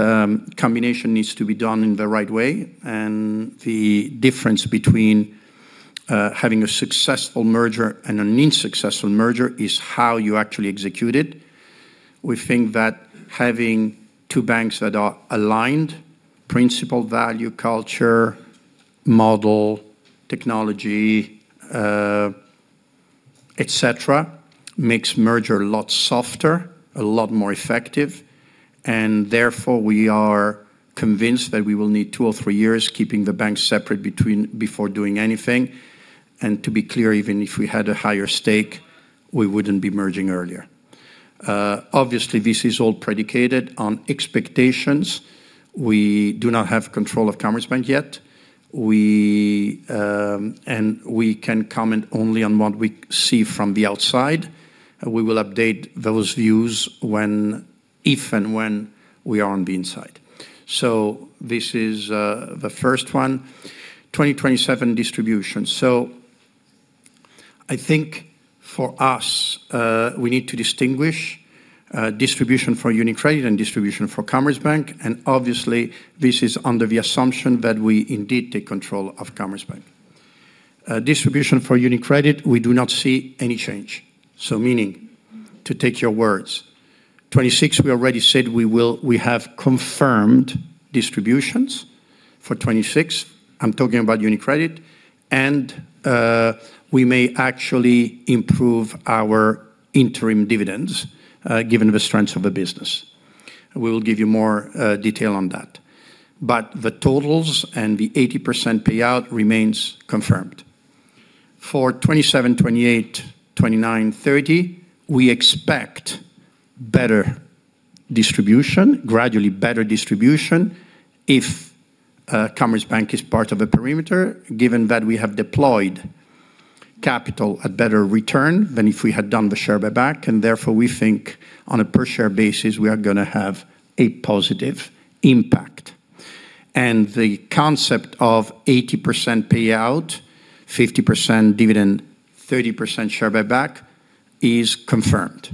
[SPEAKER 3] combination needs to be done in the right way, and the difference between having a successful merger and an unsuccessful merger is how you actually execute it. We think that having two banks that are aligned: principle, value, culture, model, technology, etc, makes merger a lot softer, a lot more effective. Therefore, we are convinced that we will need two or three years keeping the banks separate before doing anything. To be clear, even if we had a higher stake, we wouldn't be merging earlier. Obviously, this is all predicated on expectations. We do not have control of Commerzbank yet. We can comment only on what we see from the outside. We will update those views if and when we are on the inside. This is the first one, 2027 distribution. I think, for us, we need to distinguish distribution for UniCredit and distribution for Commerzbank, and obviously this is under the assumption that we indeed take control of Commerzbank. Distribution for UniCredit, we do not see any change. Meaning, to take your words, 2026, we already said we have confirmed distributions for 2026. I'm talking about UniCredit. We may actually improve our interim dividends, given the strength of the business. We will give you more detail on that. But the totals and the 80% payout remains confirmed. For 2027, 2028, 2029, 2030, we expect better distribution, gradually better distribution if Commerzbank is part of the perimeter, given that we have deployed capital at better return than if we had done the share buyback. Therefore, we think on a per share basis, we are gonna have a positive impact. The concept of 80% payout, 50% dividend, 30% share buyback is confirmed.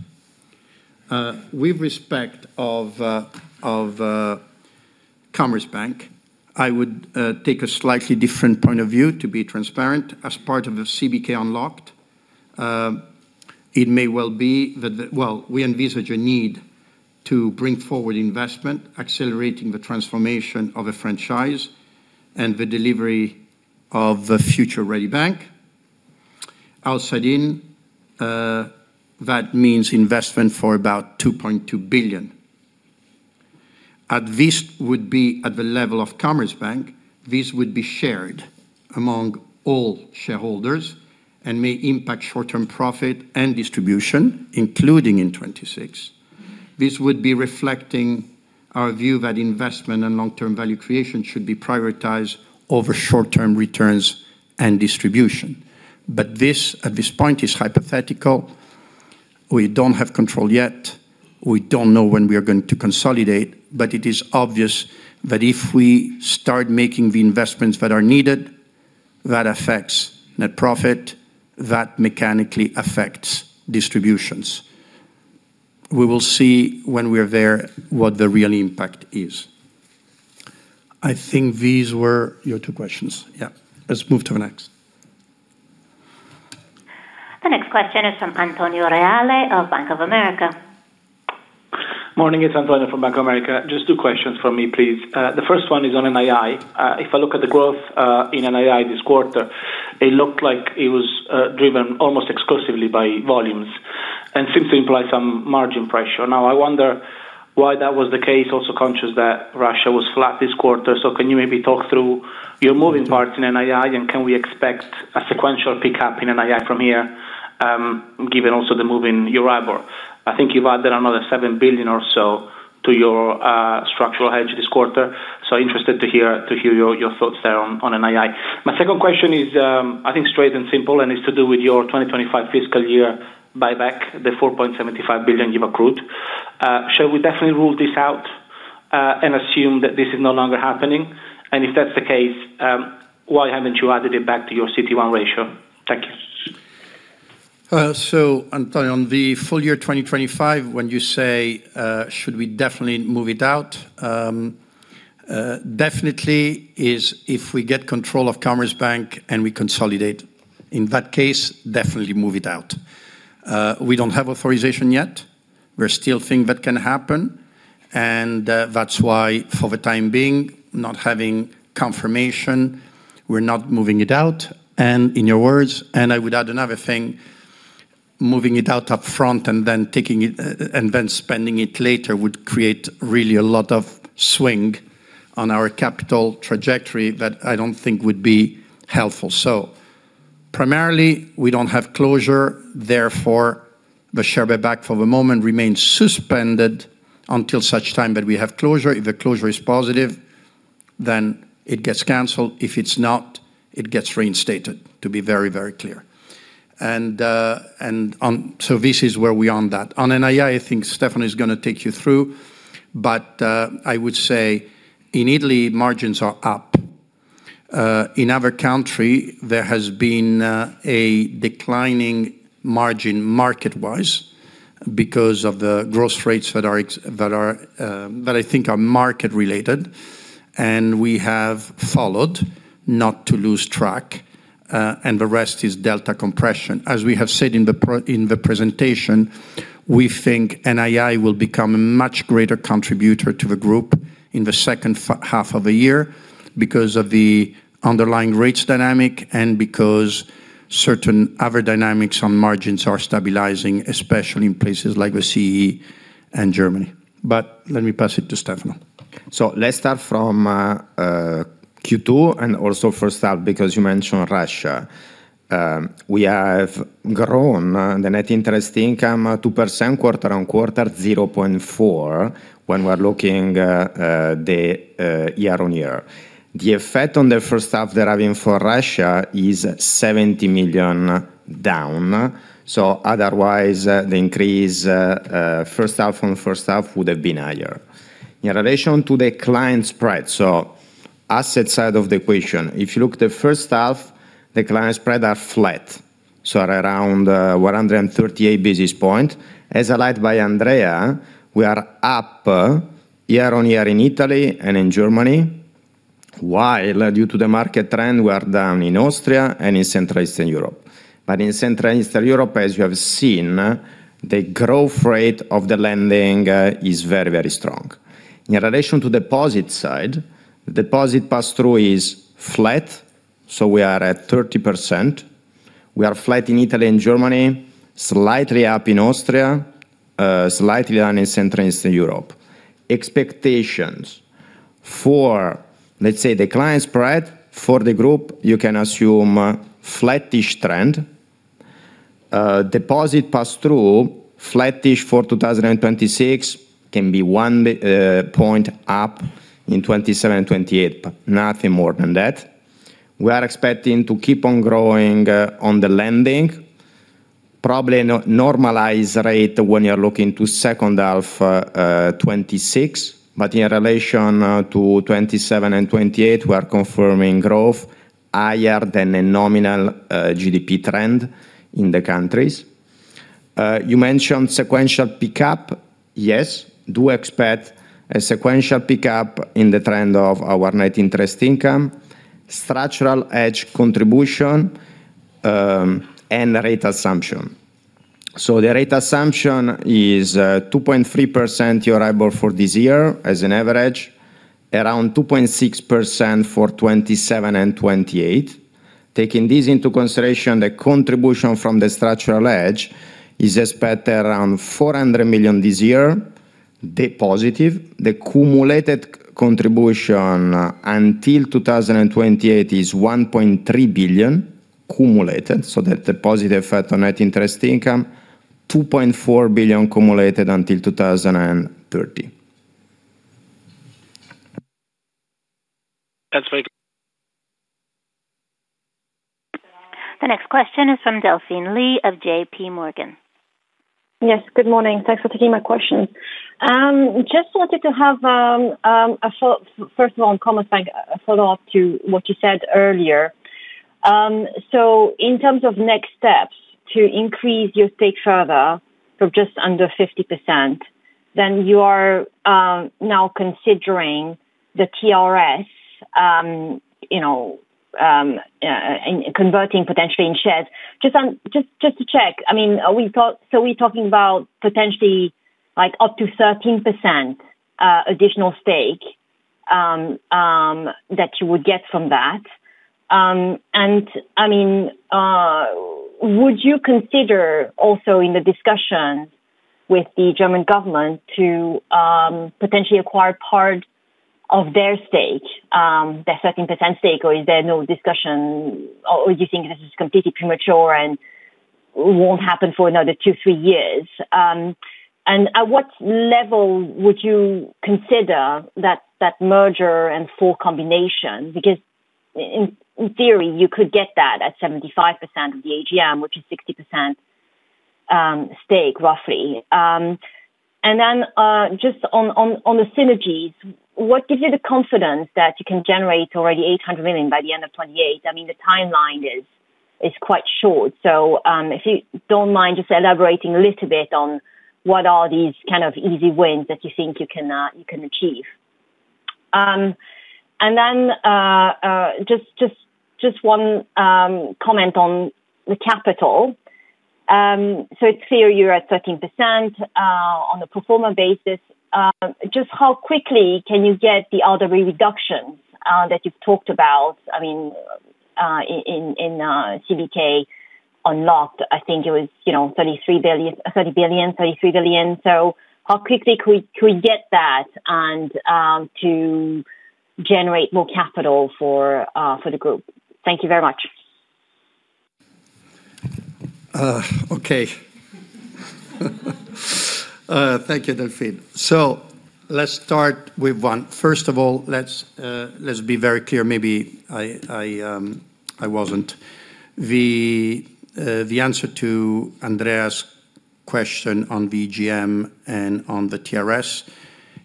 [SPEAKER 3] With respect of Commerzbank, I would take a slightly different point of view to be transparent as part of the CBK Unlocked. We envisage a need to bring forward investment, accelerating the transformation of a franchise and the delivery of the future-ready bank Outside in, that means investment for about 2.2 billion. This would be at the level of Commerzbank. This would be shared among all shareholders and may impact short-term profit and distribution, including in 2026. This would be reflecting our view that investment and long-term value creation should be prioritized over short-term returns and distribution. This, at this point, is hypothetical. We don't have control yet. We don't know when we are going to consolidate, but it is obvious that if we start making the investments that are needed, that affects net profit, that mechanically affects distributions. We will see when we are there what the real impact is. I think these were your two questions. Yeah. Let's move to the next.
[SPEAKER 1] The next question is from Antonio Reale of Bank of America.
[SPEAKER 6] Morning, it's Antonio from Bank of America. Just two questions from me, please. The first one is on NII. If I look at the growth in NII this quarter, it looked like it was driven almost exclusively by volumes and seems to imply some margin pressure. I wonder why that was the case. Also conscious that Russia was flat this quarter. Can you maybe talk through your moving parts in NII, and can we expect a sequential pickup in NII from here, given also the move in EURIBOR? I think you've added another 7 billion or so to your structural hedge this quarter. Interested to hear your thoughts there on NII. My second question is, I think straight and simple, and it's to do with your FY 2025 buyback, the 4.75 billion euro you've accrued. Shall we definitely rule this out and assume that this is no longer happening? If that's the case, why haven't you added it back to your CET1 ratio? Thank you.
[SPEAKER 3] Antonio on the full year 2025, when you say, should we definitely move it out? Definitely is if we get control of Commerzbank and we consolidate, in that case, definitely move it out. We don't have authorization yet. We still think that can happen, and that's why for the time being, not having confirmation, we're not moving it out. In your words, I would add another thing, moving it out up front and then spending it later would create really a lot of swing on our capital trajectory that I don't think would be helpful. Primarily, we don't have closure, therefore, the share buyback for the moment remains suspended until such time that we have closure. If the closure is positive, it gets canceled. If it's not, it gets reinstated, to be very, very clear. This is where we are on that. On NII, I think Stefano is going to take you through, but I would say in Italy, margins are up. In other country, there has been a declining margin market-wise because of the growth rates that I think are market related, and we have followed not to lose track, and the rest is delta compression. As we have said in the presentation, we think NII will become a much greater contributor to the group in the second half of the year because of the underlying rates dynamic and because certain other dynamics on margins are stabilizing, especially in places like the CEE and Germany. Let me pass it to Stefano.
[SPEAKER 7] Let's start from Q2 and also first half, because you mentioned Russia. We have grown the net interest income 2% quarter-on-quarter, 0.4% when we are looking the year-on-year. The effect on the first half deriving for Russia is 70 million down. Otherwise, the increase first half on first half would have been higher. In relation to the client spread, so asset side of the equation, if you look the first half, the client spread are flat, so around 138 basis points. As highlighted by Andrea, we are up year-on-year in Italy and in Germany. While due to the market trend, we are down in Austria and in Central Eastern Europe. In Central Eastern Europe, as you have seen, the growth rate of the lending is very, very strong. In relation to deposit side, deposit pass-through is flat, so we are at 30%. We are flat in Italy and Germany, slightly up in Austria, slightly down in Central Eastern Europe. Expectations for, let's say, the client spread for the group, you can assume flattish trend. Deposit pass-through, flattish for 2026 can be 1 percentage point up in 2027 and 2028, but nothing more than that. We are expecting to keep on growing on the lending, probably normalize rate when you are looking to second half 2026. In relation to 2027 and 2028, we are confirming growth higher than a nominal GDP trend in the countries. You mentioned sequential pickup. Yes, do expect a sequential pickup in the trend of our net interest income, structural edge contribution, and rate assumption. The rate assumption is 2.3% year over for this year as an average, around 2.6% for 2027 and 2028. Taking this into consideration, the contribution from the structural edge is expected around 400 million this year. The positive, the cumulated contribution until 2028 is 1.3 billion cumulated, so that the positive effect on net interest income, 2.4 billion cumulated until 2030.
[SPEAKER 6] That's very clear.
[SPEAKER 1] The next question is from Delphine Lee of JPMorgan.
[SPEAKER 8] Yes, good morning. Thanks for taking my question. Just wanted to have, first of all, on Commerzbank, a follow-up to what you said earlier. In terms of next steps to increase your stake further from just under 50%, you are now considering the TRS, converting potentially in shares. Just to check, are we talking about potentially up to 13% additional stake that you would get from that? Would you consider also in the discussion with the German government to potentially acquire part of their stake, their 13% stake, or is there no discussion, or you think this is completely premature and won't happen for another two, three years? At what level would you consider that merger and full combination? Because in theory, you could get that at 75% of the EGM, which is 60% stake, roughly. Just on the synergies, what gives you the confidence that you can generate already 800 million by the end of 2028? The timeline is quite short. If you don't mind just elaborating a little bit on what are these kind of easy wins that you think you can achieve. Just one comment on the capital. It's clear you're at 13% on the pro forma basis. Just how quickly can you get the other re-reductions that you've talked about in CBK Unlocked? I think it was 33 billion, EUR 30 billion. How quickly could we get that and to generate more capital for the group? Thank you very much.
[SPEAKER 3] Okay. Thank you, Delphine. Let's start with one. First of all, let's be very clear. Maybe I wasn't. The answer to Andrea's question on the EGM and on the TRS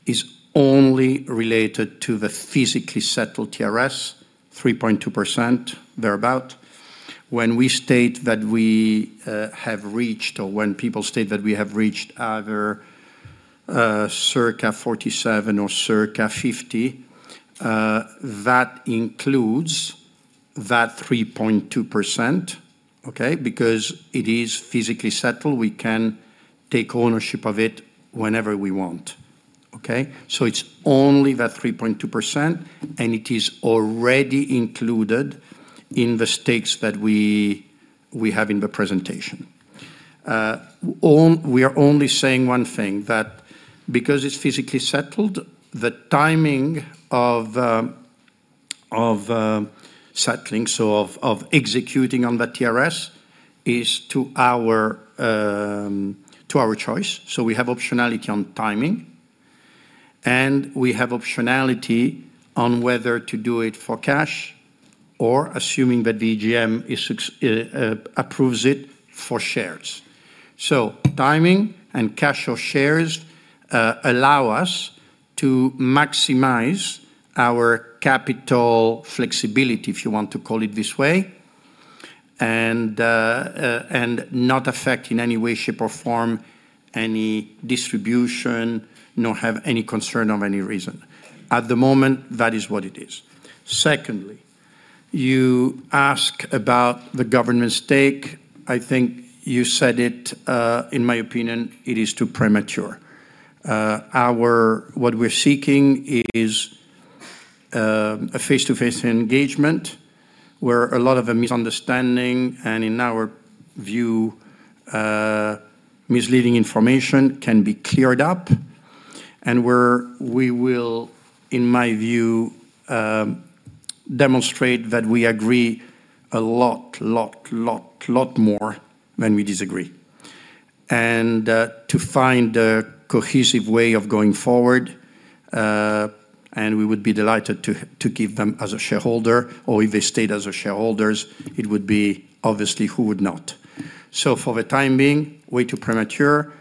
[SPEAKER 3] is only related to the physically settled TRS, 3.2% thereabout. When we state that we have reached or when people state that we have reached either circa 47 or circa 50, that includes that 3.2%, okay? Because it is physically settled, we can take ownership of it whenever we want. Okay? It's only that 3.2%, and it is already included in the stakes that we have in the presentation. We are only saying one thing, that because it's physically settled, the timing of settling, so of executing on that TRS is to our choice. We have optionality on timing, we have optionality on whether to do it for cash or assuming that the EGM approves it for shares. Timing and cash or shares allow us to maximize our capital flexibility, if you want to call it this way, and not affect in any way, shape, or form any distribution, nor have any concern of any reason. At the moment, that is what it is. Secondly, you ask about the government stake. I think you said it, in my opinion, it is too premature. What we're seeking is a face-to-face engagement where a lot of a misunderstanding, in our view, misleading information can be cleared up, where we will, in my view, demonstrate that we agree a lot, lot more than we disagree, to find a cohesive way of going forward, we would be delighted to give them as a shareholder, or if they stayed as a shareholders, it would be obviously who would not. For the time being, way too premature.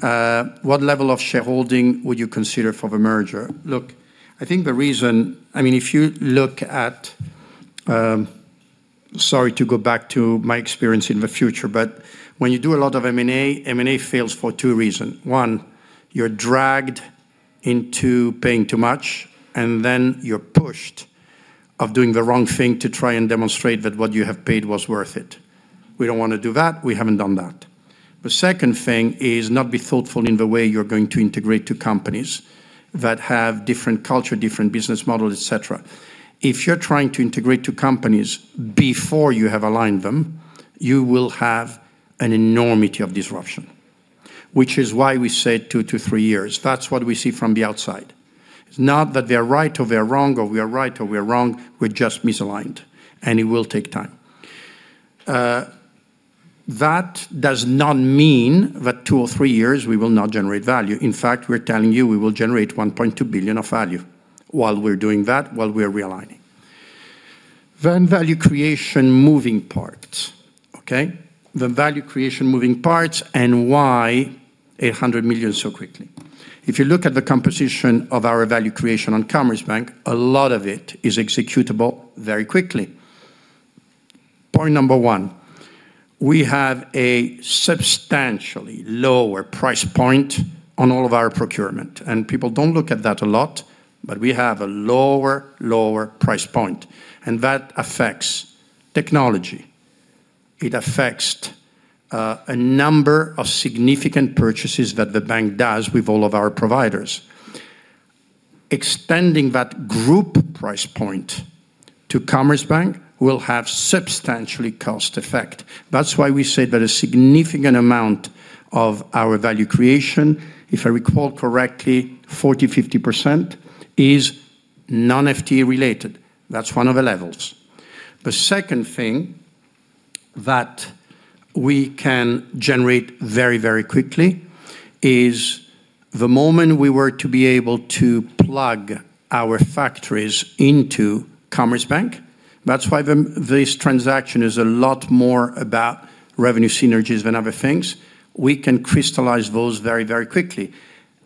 [SPEAKER 3] What level of shareholding would you consider for the merger? I think the reason, if you look at-- Sorry to go back to my experience in the future, but when you do a lot of M&A, M&A fails for two reason. One, you're dragged into paying too much, and then you're pushed Of doing the wrong thing to try and demonstrate that what you have paid was worth it. We don't want to do that. We haven't done that. The second thing is not be thoughtful in the way you're going to integrate two companies that have different culture, different business model, etc. If you're trying to integrate two companies before you have aligned them, you will have an enormity of disruption, which is why we said two to three years. That's what we see from the outside. It's not that they are right or they are wrong, or we are right or we are wrong, we're just misaligned, and it will take time. That does not mean that two or three years, we will not generate value. In fact, we're telling you we will generate 1.2 billion of value while we're doing that, while we are realigning. Value creation moving parts. The value creation moving parts and why 100 million so quickly. If you look at the composition of our value creation on Commerzbank, a lot of it is executable very quickly. Point number one, we have a substantially lower price point on all of our procurement. People don't look at that a lot, but we have a lower price point, that affects technology. It affects a number of significant purchases that the bank does with all of our providers. Extending that group price point to Commerzbank will have substantially cost effect. That's why we say that a significant amount of our value creation, if I recall correctly, 40%, 50% is non-FTE related. That's one of the levels. The second thing that we can generate very quickly is the moment we were to be able to plug our factories into Commerzbank. That's why this transaction is a lot more about revenue synergies than other things. We can crystallize those very quickly,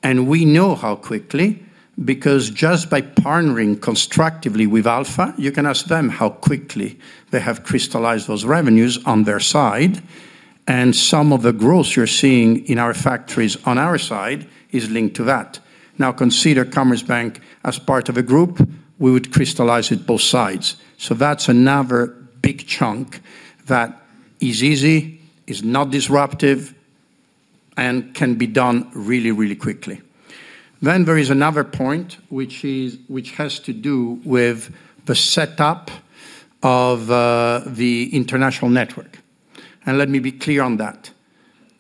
[SPEAKER 3] and we know how quickly, because just by partnering constructively with Alpha, you can ask them how quickly they have crystallized those revenues on their side, and some of the growth you're seeing in our factories on our side is linked to that. Consider Commerzbank as part of a group, we would crystallize it both sides. That's another big chunk that is easy, is not disruptive, and can be done really quickly. There is another point which has to do with the setup of the international network. Let me be clear on that.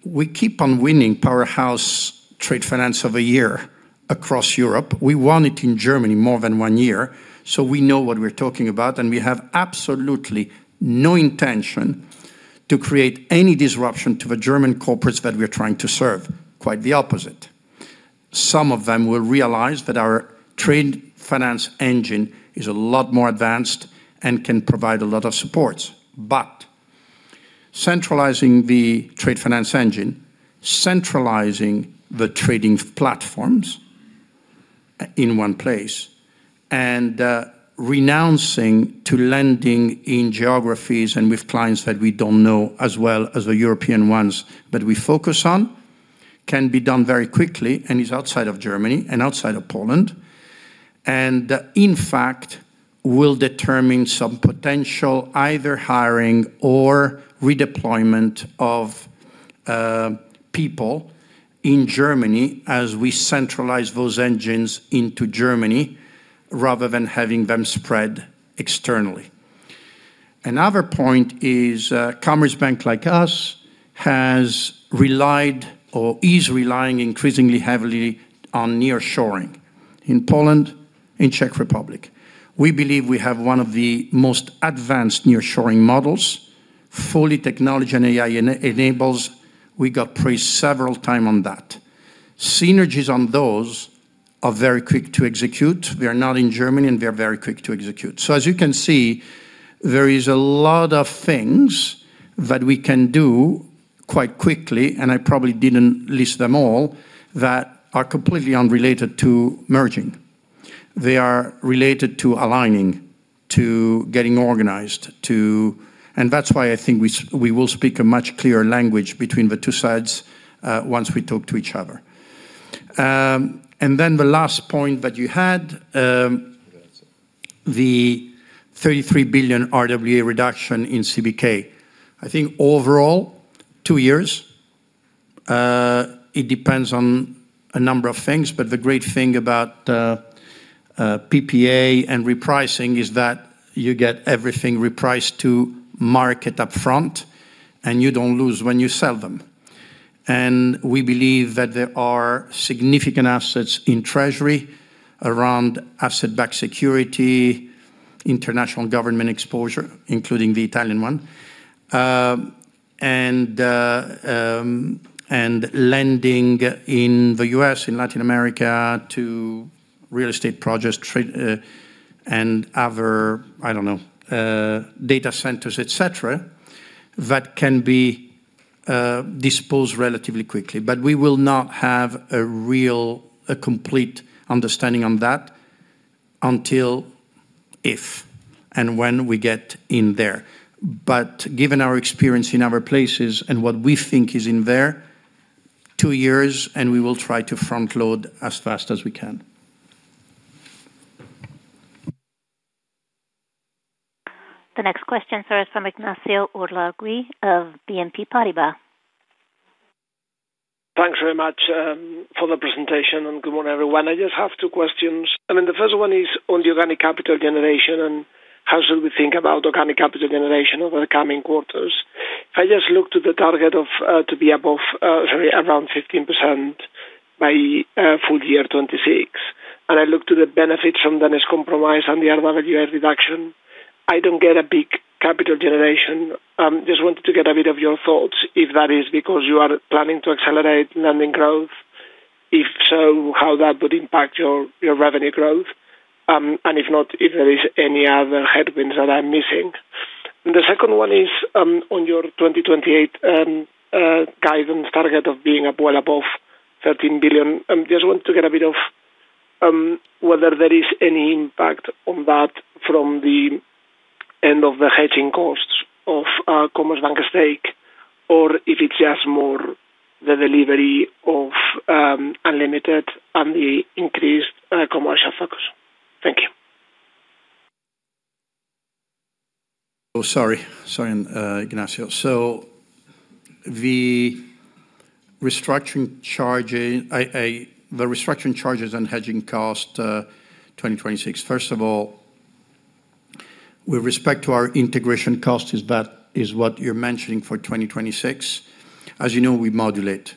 [SPEAKER 3] We keep on winning powerhouse trade finance of a year across Europe. We won it in Germany more than one year, so we know what we're talking about, and we have absolutely no intention to create any disruption to the German corporates that we're trying to serve. Quite the opposite. Some of them will realize that our trade finance engine is a lot more advanced and can provide a lot of supports. Centralizing the trade finance engine, centralizing the trading platforms in one place, and renouncing to lending in geographies and with clients that we don't know as well as the European ones that we focus on, can be done very quickly and is outside of Germany and outside of Poland. In fact, will determine some potential, either hiring or redeployment of people in Germany as we centralize those engines into Germany rather than having them spread externally. Another point is, Commerzbank, like us, has relied or is relying increasingly heavily on nearshoring in Poland, in Czech Republic. We believe we have one of the most advanced nearshoring models, fully technology and AI-enabled. We got praised several time on that. Synergies on those are very quick to execute. They are not in Germany, and they are very quick to execute. As you can see, there is a lot of things that we can do quite quickly, and I probably didn't list them all, that are completely unrelated to merging. They are related to aligning, to getting organized. That's why I think we will speak a much clearer language between the two sides once we talk to each other. The last point that you had, the 33 billion RWA reduction in CBK. I think overall, two years. It depends on a number of things. The great thing about PPA and repricing is that you get everything repriced to market up front, and you don't lose when you sell them. We believe that there are significant assets in treasury around asset-backed security, international government exposure, including the Italian one, and lending in the U.S., in Latin America to real estate projects, trade, and other, I don't know, data centers, etc, that can be disposed relatively quickly. We will not have a complete understanding on that until, if, and when we get in there. Given our experience in other places and what we think is in there, two years, and we will try to front-load as fast as we can.
[SPEAKER 1] The next question, sir, is from Ignacio Ulargui of BNP Paribas.
[SPEAKER 9] Thanks very much for the presentation, good morning, everyone. I just have two questions. The first one is on the organic capital generation and how should we think about organic capital generation over the coming quarters. I just looked to the target of to be above, sorry, around 15% by FY 2026. I looked to the benefits from Danish Compromise and the RWA reduction. I don't get a big capital generation. Just wanted to get a bit of your thoughts if that is because you are planning to accelerate lending growth. If so, how that would impact your revenue growth, and if not, if there is any other headwinds that I'm missing. The second one is on your 2028 guidance target of being well above 13 billion. Just wanted to get a bit of whether there is any impact on that from the end of the hedging costs of Commerzbank stake, if it's just more the delivery of Unlimited and the increased commercial focus. Thank you.
[SPEAKER 3] Sorry, Ignacio. The restructuring charges and hedging cost 2026. First of all, with respect to our integration cost, is that is what you're mentioning for 2026? As you know, we modulate.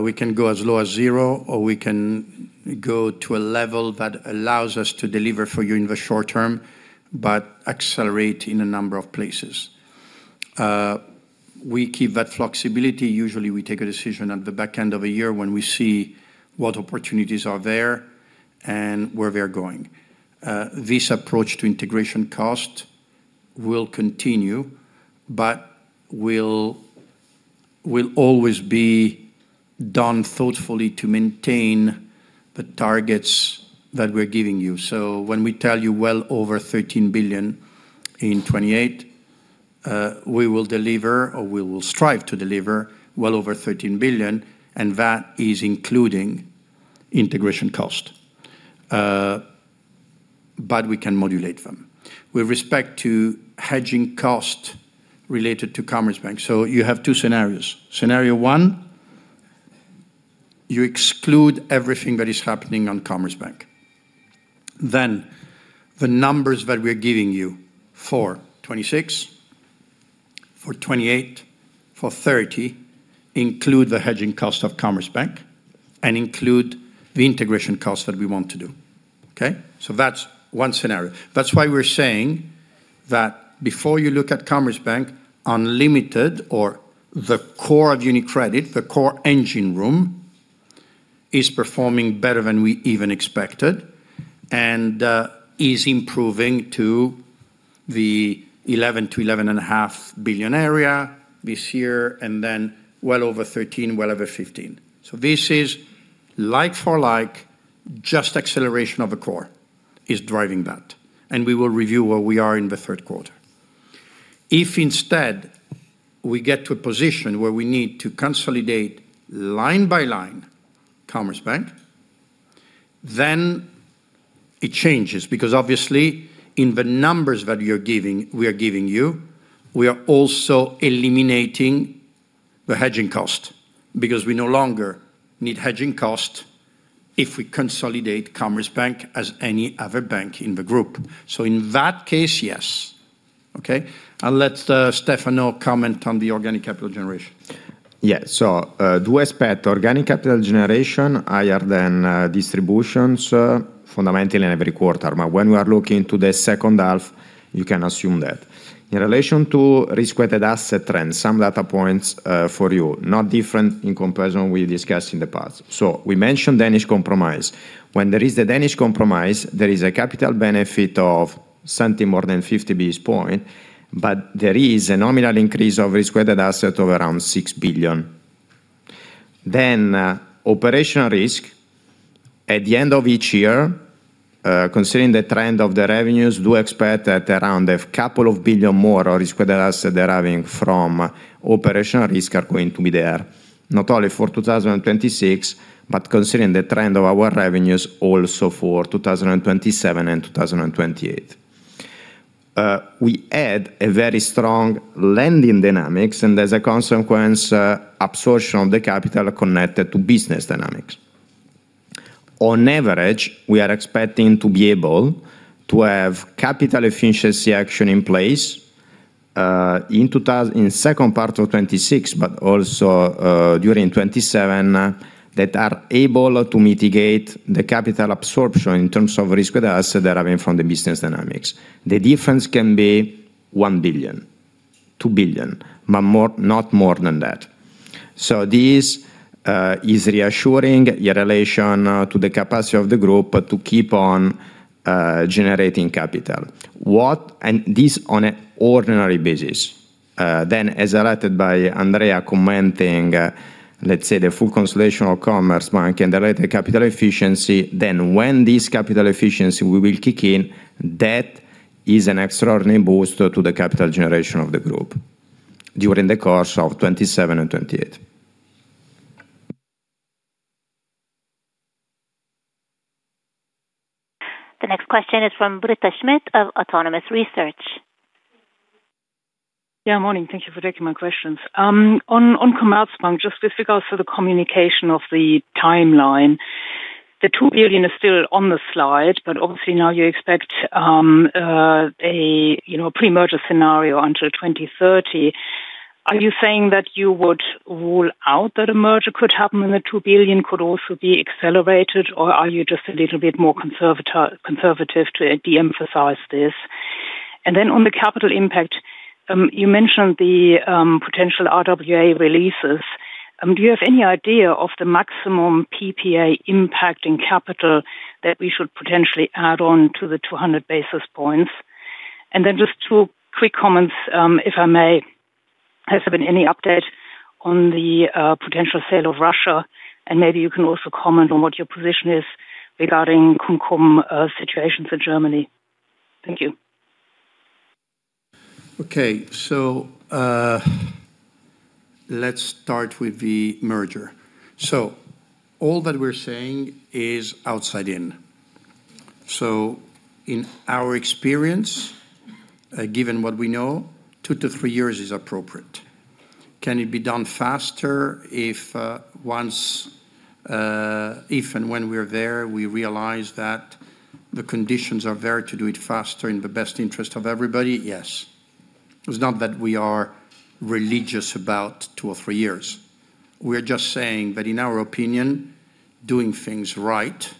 [SPEAKER 3] We can go as low as zero, or we can go to a level that allows us to deliver for you in the short term, but accelerate in a number of places. We keep that flexibility. Usually, we take a decision at the back end of a year when we see what opportunities are there and where we are going. This approach to integration cost will continue, but will always be done thoughtfully to maintain the targets that we're giving you. So when we tell you well over 13 billion in 2028, we will deliver or we will strive to deliver well over 13 billion, and that is including integration cost. We can modulate them. With respect to hedging cost related to Commerzbank. You have two scenarios. Scenario one, you exclude everything that is happening on Commerzbank. The numbers that we're giving you for 2026, for 2028, for 2030 include the hedging cost of Commerzbank and include the integration cost that we want to do. Okay? That's one scenario. That's why we're saying that before you look at Commerzbank Unlimited or the core of UniCredit, the core engine room, is performing better than we even expected and is improving to the 11 billion-11.5 billion area this year, and then well over 13 billion, well over 15 billion. This is like for like, just acceleration of the core is driving that, and we will review where we are in the third quarter. If instead, we get to a position where we need to consolidate line by line Commerzbank, it changes because obviously in the numbers that we are giving you, we are also eliminating the hedging cost because we no longer need hedging cost if we consolidate Commerzbank as any other bank in the group. In that case, yes. Okay? I'll let Stefano comment on the organic capital generation.
[SPEAKER 7] Do expect organic capital generation higher than distributions, fundamentally in every quarter. When we are looking to the second half, you can assume that. In relation to risk-weighted assets trends, some data points for you, not different in comparison we discussed in the past. We mentioned Danish Compromise. When there is the Danish Compromise, there is a capital benefit of something more than 50 basis points, but there is a nominal increase of risk-weighted assets of around 6 billion. Operational risk, at the end of each year, considering the trend of the revenues, do expect that around a couple of billion more risk-weighted assets deriving from operational risk are going to be there, not only for 2026, but considering the trend of our revenues also for 2027 and 2028. We had a very strong lending dynamics, and as a consequence, absorption of the capital connected to business dynamics. On average, we are expecting to be able to have capital efficiency action in place in second part of 2026, but also during 2027, that are able to mitigate the capital absorption in terms of risk-weighted assets deriving from the business dynamics. The difference can be 1 billion, 2 billion, but not more than that. This is reassuring in relation to the capacity of the group to keep on generating capital. And this on an ordinary basis. As highlighted by Andrea commenting, let's say the full consolidation of Commerzbank and the related capital efficiency, then when this capital efficiency will kick in, that is an extraordinary boost to the capital generation of the group during the course of 2027 and 2028.
[SPEAKER 1] The next question is from Britta Schmidt of Autonomous Research.
[SPEAKER 10] Yeah, morning. Thank you for taking my questions. On Commerzbank, just with regards to the communication of the timeline, the 2 billion is still on the slide, but obviously now you expect a pre-merger scenario until 2030. Are you saying that you would rule out that a merger could happen and the 2 billion could also be accelerated, or are you just a little bit more conservative to de-emphasize this? On the capital impact, you mentioned the potential RWA releases. Do you have any idea of the maximum PPA impact in capital that we should potentially add on to the 200 basis points? Just two quick comments, if I may. Has there been any update on the potential sale of Russia? And maybe you can also comment on what your position is regarding cum-cum situations in Germany. Thank you.
[SPEAKER 3] Okay. Let's start with the merger. All that we're saying is outside in. In our experience, given what we know, two to three years is appropriate. Can it be done faster if and when we're there, we realize that the conditions are there to do it faster in the best interest of everybody? Yes. It's not that we are religious about two or three years. We're just saying that in our opinion, doing things right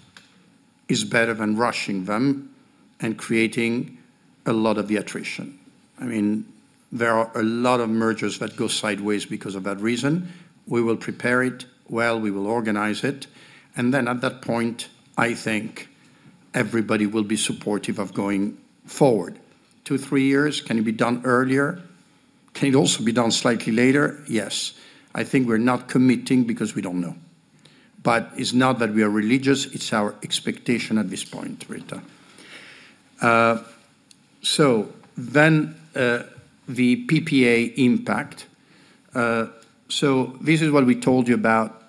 [SPEAKER 3] is better than rushing them and creating a lot of the attrition. There are a lot of mergers that go sideways because of that reason. We will prepare it well, we will organize it, and at that point, I think everybody will be supportive of going forward. Two, three years, can it be done earlier? Can it also be done slightly later? Yes. I think we're not committing because we don't know. It's not that we are religious, it's our expectation at this point, Britta. The PPA impact. This is what we told you about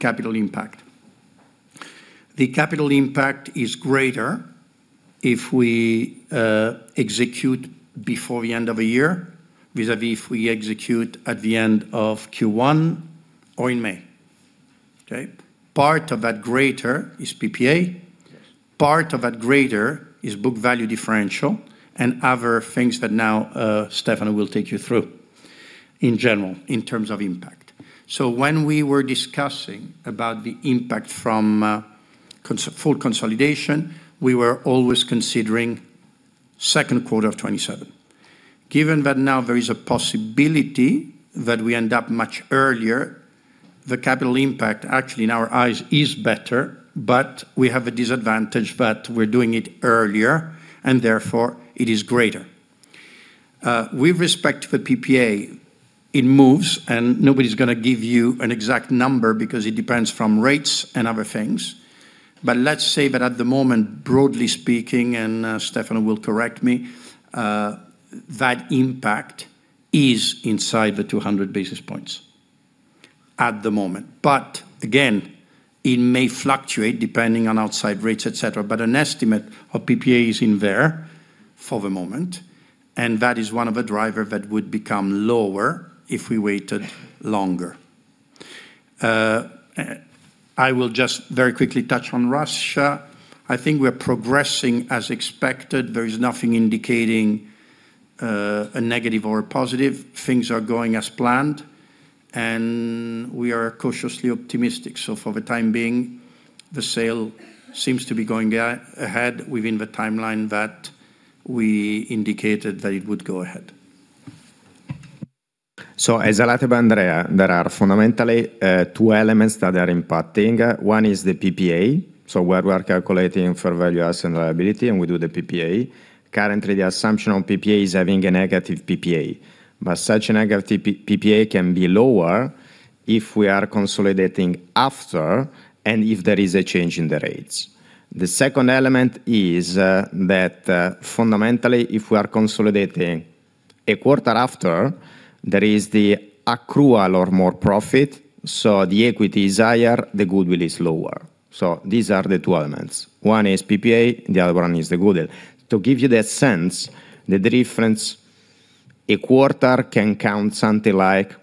[SPEAKER 3] capital impact. The capital impact is greater if we execute before the end of a year, vis-à-vis if we execute at the end of Q1 or in May. Okay? Part of that greater is PPA, part of that greater is book value differential, and other things that now Stefano will take you through in general in terms of impact. When we were discussing about the impact from full consolidation, we were always considering second quarter of 2027. Given that now there is a possibility that we end up much earlier, the capital impact actually in our eyes is better, but we have a disadvantage that we're doing it earlier, and therefore it is greater. With respect to the PPA, it moves, and nobody's going to give you an exact number because it depends from rates and other things. Let's say that at the moment, broadly speaking, and Stefano will correct me, that impact is inside the 200 basis points at the moment. Again, it may fluctuate depending on outside rates, etc. An estimate of PPA is in there for the moment, and that is one of the driver that would become lower if we waited longer. I will just very quickly touch on Russia. I think we're progressing as expected. There is nothing indicating a negative or a positive. Things are going as planned, and we are cautiously optimistic. For the time being, the sale seems to be going ahead within the timeline that we indicated that it would go ahead.
[SPEAKER 7] As highlighted by Andrea, there are fundamentally two elements that are impacting. One is the PPA. Where we are calculating fair value asset and liability, and we do the PPA. Currently, the assumption on PPA is having a negative PPA. Such a negative PPA can be lower if we are consolidating after and if there is a change in the rates. The second element is that, fundamentally, if we are consolidating a quarter after, there is the accrual or more profit, so the equity is higher, the goodwill is lower. These are the two elements. One is PPA, the other one is the goodwill. To give you the sense, the difference a quarter can count something like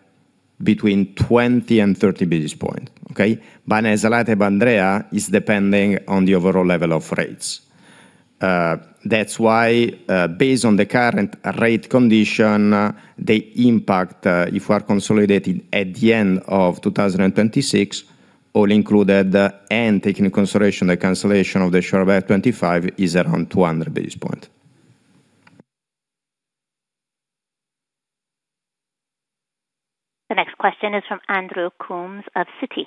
[SPEAKER 7] between 20 basis point and 30 basis point. Okay? As highlighted by Andrea, is depending on the overall level of rates. That's why, based on the current rate condition, the impact, if we are consolidating at the end of 2026, all included and taking into consideration the cancellation of the share buyback 2025 is around 200 basis point.
[SPEAKER 1] The next question is from Andrew Coombs of Citi.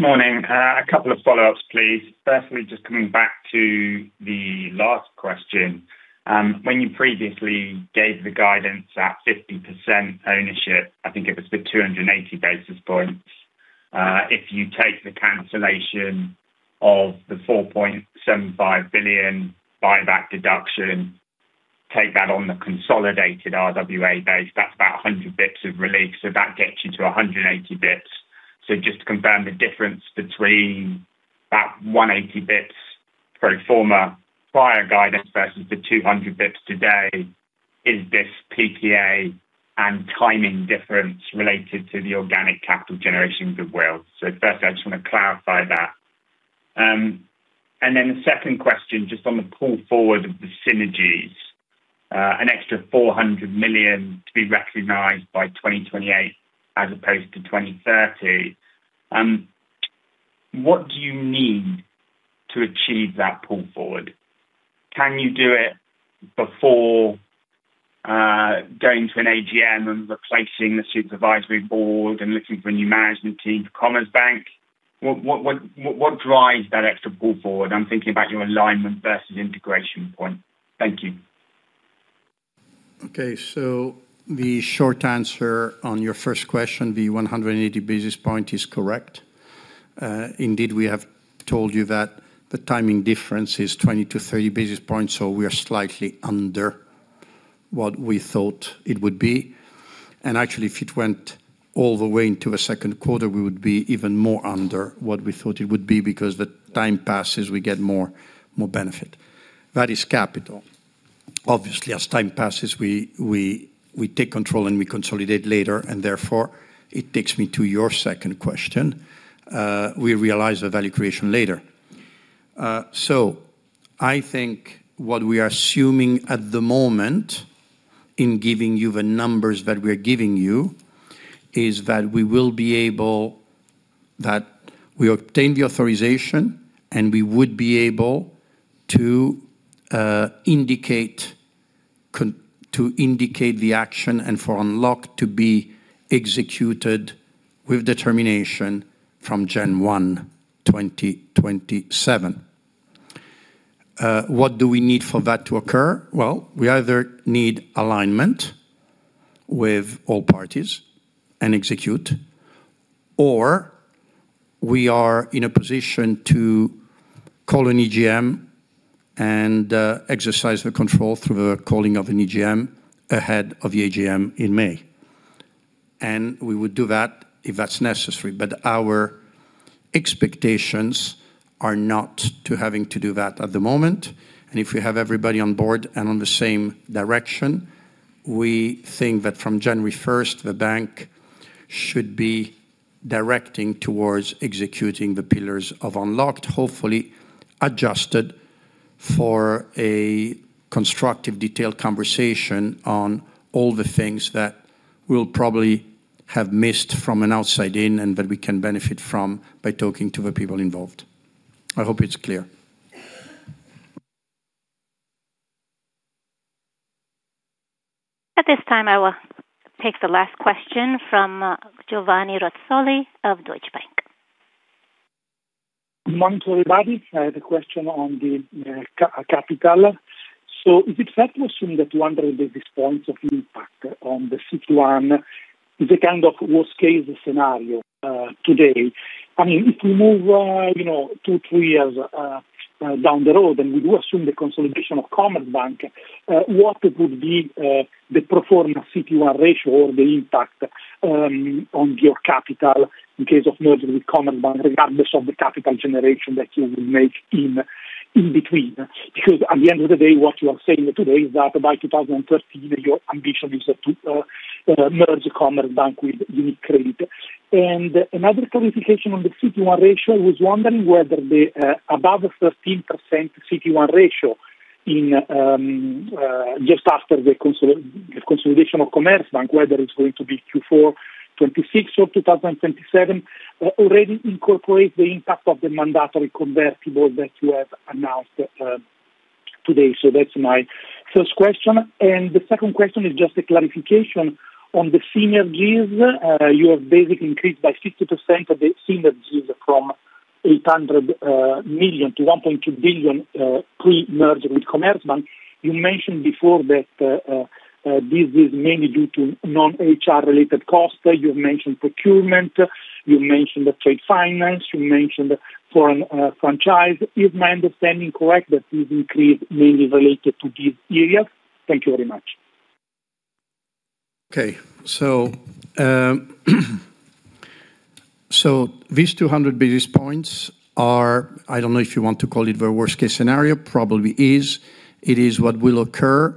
[SPEAKER 11] Morning. A couple of follow-ups, please. Firstly, just coming back to the last question. When you previously gave the guidance at 50% ownership, I think it was the 280 basis points. If you take the cancellation of the 4.75 billion buyback deduction, take that on the consolidated RWA base, that's about 100 basis points of relief. That gets you to 180 basis points. Just to confirm, the difference between that 180 basis points pro forma prior guidance versus the 200 basis points today is this PPA and timing difference related to the organic capital generation of will. Firstly, I just want to clarify that. Then the second question, just on the pull forward of the synergies, an extra 400 million to be recognized by 2028 as opposed to 2030. What do you need to achieve that pull forward? Can you do it before going to an AGM and replacing the Supervisory Board and looking for a new management team for Commerzbank? What drives that extra pull forward? I'm thinking about your alignment versus integration point. Thank you.
[SPEAKER 3] Okay. The short answer on your first question, the 180 basis points is correct. Indeed, we have told you that the timing difference is 20 basis points-30 basis points, we are slightly under what we thought it would be. Actually, if it went all the way into the second quarter, we would be even more under what we thought it would be, because as time passes, we get more benefit. That is capital. Obviously, as time passes, we take control, we consolidate later, and therefore it takes me to your second question. We realize the value creation later. I think what we are assuming at the moment in giving you the numbers that we are giving you, is that we obtained the authorization, and we would be able to indicate the action and for Unlocked to be executed with determination from January 1, 2027. What do we need for that to occur? We either need alignment with all parties and execute, or we are in a position to call an EGM and exercise the control through the calling of an EGM ahead of the AGM in May. We would do that if that's necessary. Our expectations are not to having to do that at the moment. If we have everybody on board and on the same direction, we think that from January 1st, the bank should be directing towards executing the pillars of Unlocked, hopefully adjusted for a constructive, detailed conversation on all the things that we'll probably have missed from an outside in, and that we can benefit from by talking to the people involved. I hope it's clear.
[SPEAKER 1] At this time, I will take the last question from Giovanni Razzoli of Deutsche Bank.
[SPEAKER 12] Morning to everybody. I have a question on the capital. Is it fair to assume that 200 basis points of impact on the CET1 is a kind of worst-case scenario today? If we move two, three years down the road, and we do assume the consolidation of Commerzbank, what would be the pro forma CET1 ratio or the impact on your capital in case of merging with Commerzbank, regardless of the capital generation that you will make in between? Because at the end of the day, what you are saying today is that by 2030, your ambition is to merge Commerzbank with UniCredit. Another clarification on the CET1 ratio, I was wondering whether above the 13% CET1 ratio just after the consolidation of Commerzbank, whether it's going to be Q4 2026 or 2027, already incorporates the impact of the mandatory convertible that you have announced today. That's my first question. The second question is just a clarification on the synergies. You have basically increased by 50% the synergies from 800 million-1.2 billion pre-merger with Commerzbank. You mentioned before that this is mainly due to non-HR related costs. You've mentioned procurement, you mentioned trade finance, you mentioned foreign franchise. Is my understanding correct that this increase mainly related to these areas? Thank you very much.
[SPEAKER 3] These 200 basis points are, I don't know if you want to call it the worst-case scenario, probably is. It is what will occur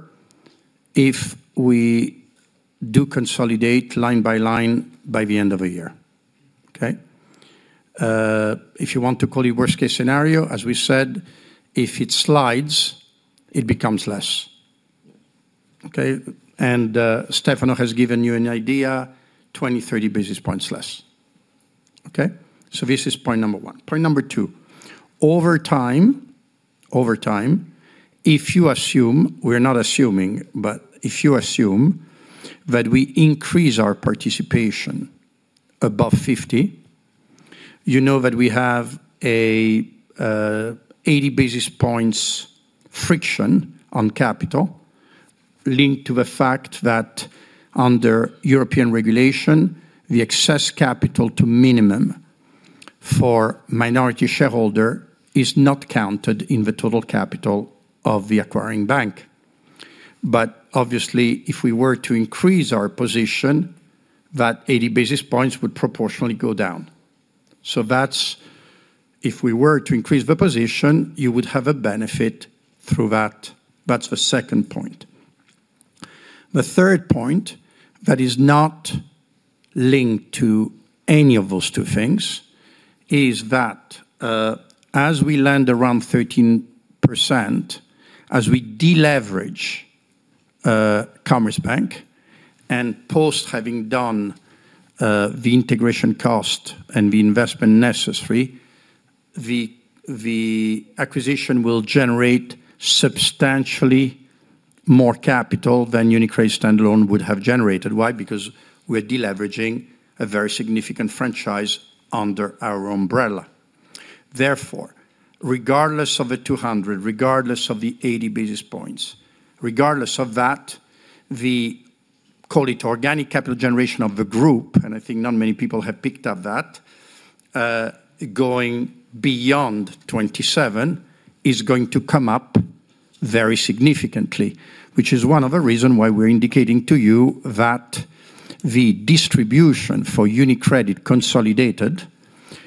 [SPEAKER 3] if we do consolidate line by line by the end of the year. If you want to call it worst-case scenario, as we said, if it slides, it becomes less. Stefano has given you an idea, 20 basis points, 30 basis points less. This is point number one. Point number two. Over time, if you assume, we are not assuming, but if you assume that we increase our participation above 50, you know that we have an 80 basis points friction on capital linked to the fact that under European regulation, the excess capital to minimum for minority shareholder is not counted in the total capital of the acquiring bank. Obviously, if we were to increase our position, that 80 basis points would proportionally go down. If we were to increase the position, you would have a benefit through that. That is the second point. The third point that is not linked to any of those two things is that as we land around 13%, as we deleverage Commerzbank, and post having done the integration cost and the investment necessary, the acquisition will generate substantially more capital than UniCredit standalone would have generated. Why? Because we are deleveraging a very significant franchise under our umbrella. Therefore, regardless of the 200 basis points, regardless of the 80 basis points, regardless of that, the call it organic capital generation of the group, and I think not many people have picked up that, going beyond 2027 is going to come up very significantly. Which is one of the reason why we are indicating to you that the distribution for UniCredit consolidated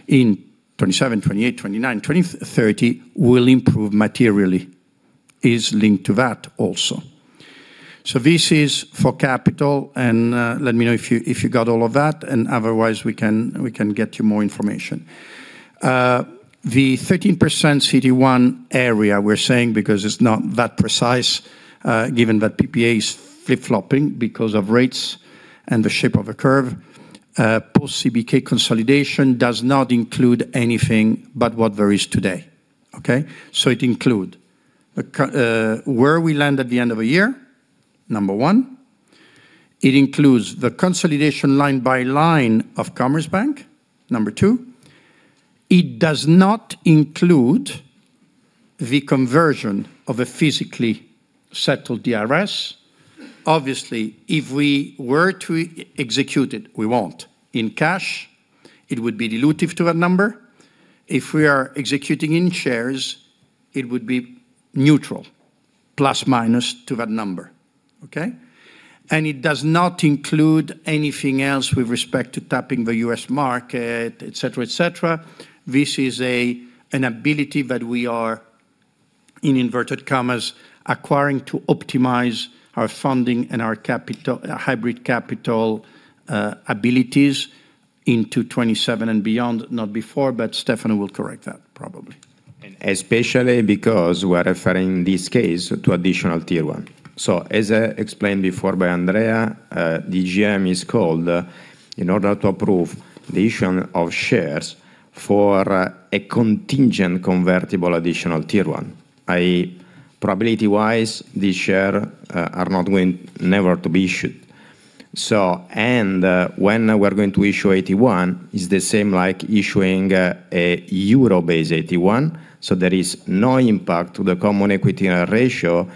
[SPEAKER 3] in 2027, 2028, 2029, 2030 will improve materially, is linked to that also. This is for capital, and let me know if you got all of that, and otherwise, we can get you more information. The 13% CET1 area, we are saying because it is not that precise, given that PPA is flip-flopping because of rates and the shape of a curve, post-CBK consolidation does not include anything but what there is today. It includes where we land at the end of the year, number one, it includes the consolidation line by line of Commerzbank, number two, it does not include the conversion of a physically settled TRS. Obviously, if we were to execute it, we will not. In cash, it would be dilutive to a number. If we are executing in shares, it would be neutral, plus minus to that number. It does not include anything else with respect to tapping the U.S. market, etc. This is an ability that we are, in inverted commas, acquiring to optimize our funding and our hybrid capital abilities into 2027 and beyond, not before, but Stefano will correct that probably.
[SPEAKER 7] Especially because we're referring this case to additional Tier One. As explained before by Andrea, the EGM is called in order to approve the issue of shares for a contingent convertible additional Tier One. Probability-wise, these share are not going never to be issued. When we're going to issue AT1 is the same like issuing a euro-based AT1, there is no impact to the common equity ratio,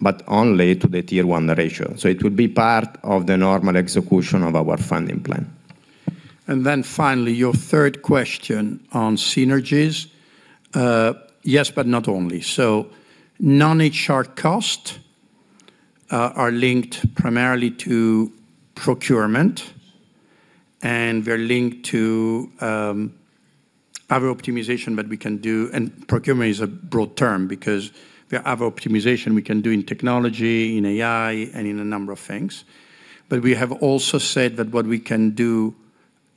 [SPEAKER 7] but only to the Tier One ratio. It will be part of the normal execution of our funding plan.
[SPEAKER 3] Finally, your third question on synergies. Yes, but not only. Non-HR costs are linked primarily to procurement, and they're linked to other optimization that we can do, and procurement is a broad term because there are other optimization we can do in technology, in AI, and in a number of things. We have also said that what we can do,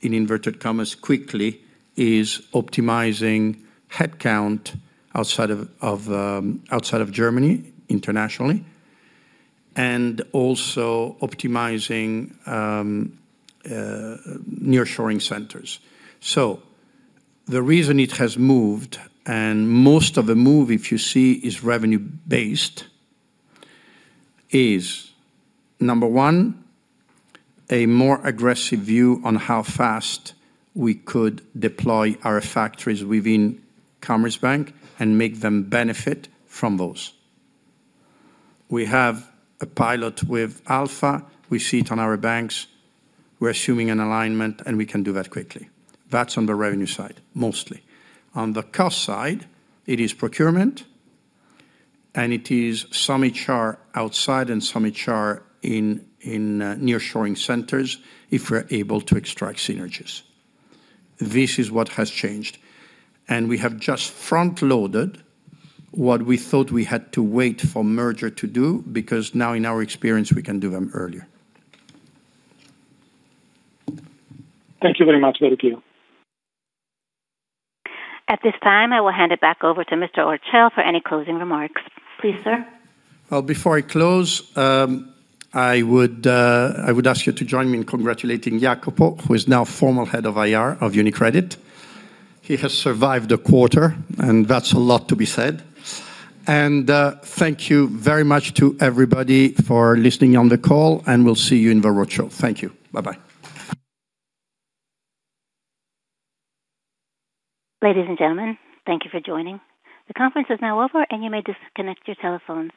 [SPEAKER 3] in inverted commas, "quickly" is optimizing headcount outside of Germany, internationally, and also optimizing nearshoring centers. The reason it has moved, and most of the move, if you see, is revenue-based, is number one, a more aggressive view on how fast we could deploy our factories within Commerzbank and make them benefit from those. We have a pilot with Alpha. We see it on our banks. We're assuming an alignment, and we can do that quickly. That's on the revenue side, mostly. On the cost side, it is procurement, and it is some HR outside and some HR in nearshoring centers if we're able to extract synergies. This is what has changed. We have just front-loaded what we thought we had to wait for merger to do because now in our experience, we can do them earlier.
[SPEAKER 12] Thank you very much. Very clear.
[SPEAKER 1] At this time, I will hand it back over to Mr. Orcel for any closing remarks. Please, sir.
[SPEAKER 3] Well, before I close, I would ask you to join me in congratulating Iacopo, who is now formal Head of IR of UniCredit. He has survived a quarter, and that's a lot to be said. Thank you very much to everybody for listening on the call, and we'll see you in the roadshow. Thank you. Bye-bye.
[SPEAKER 1] Ladies and gentlemen, thank you for joining. The conference is now over, and you may disconnect your telephones.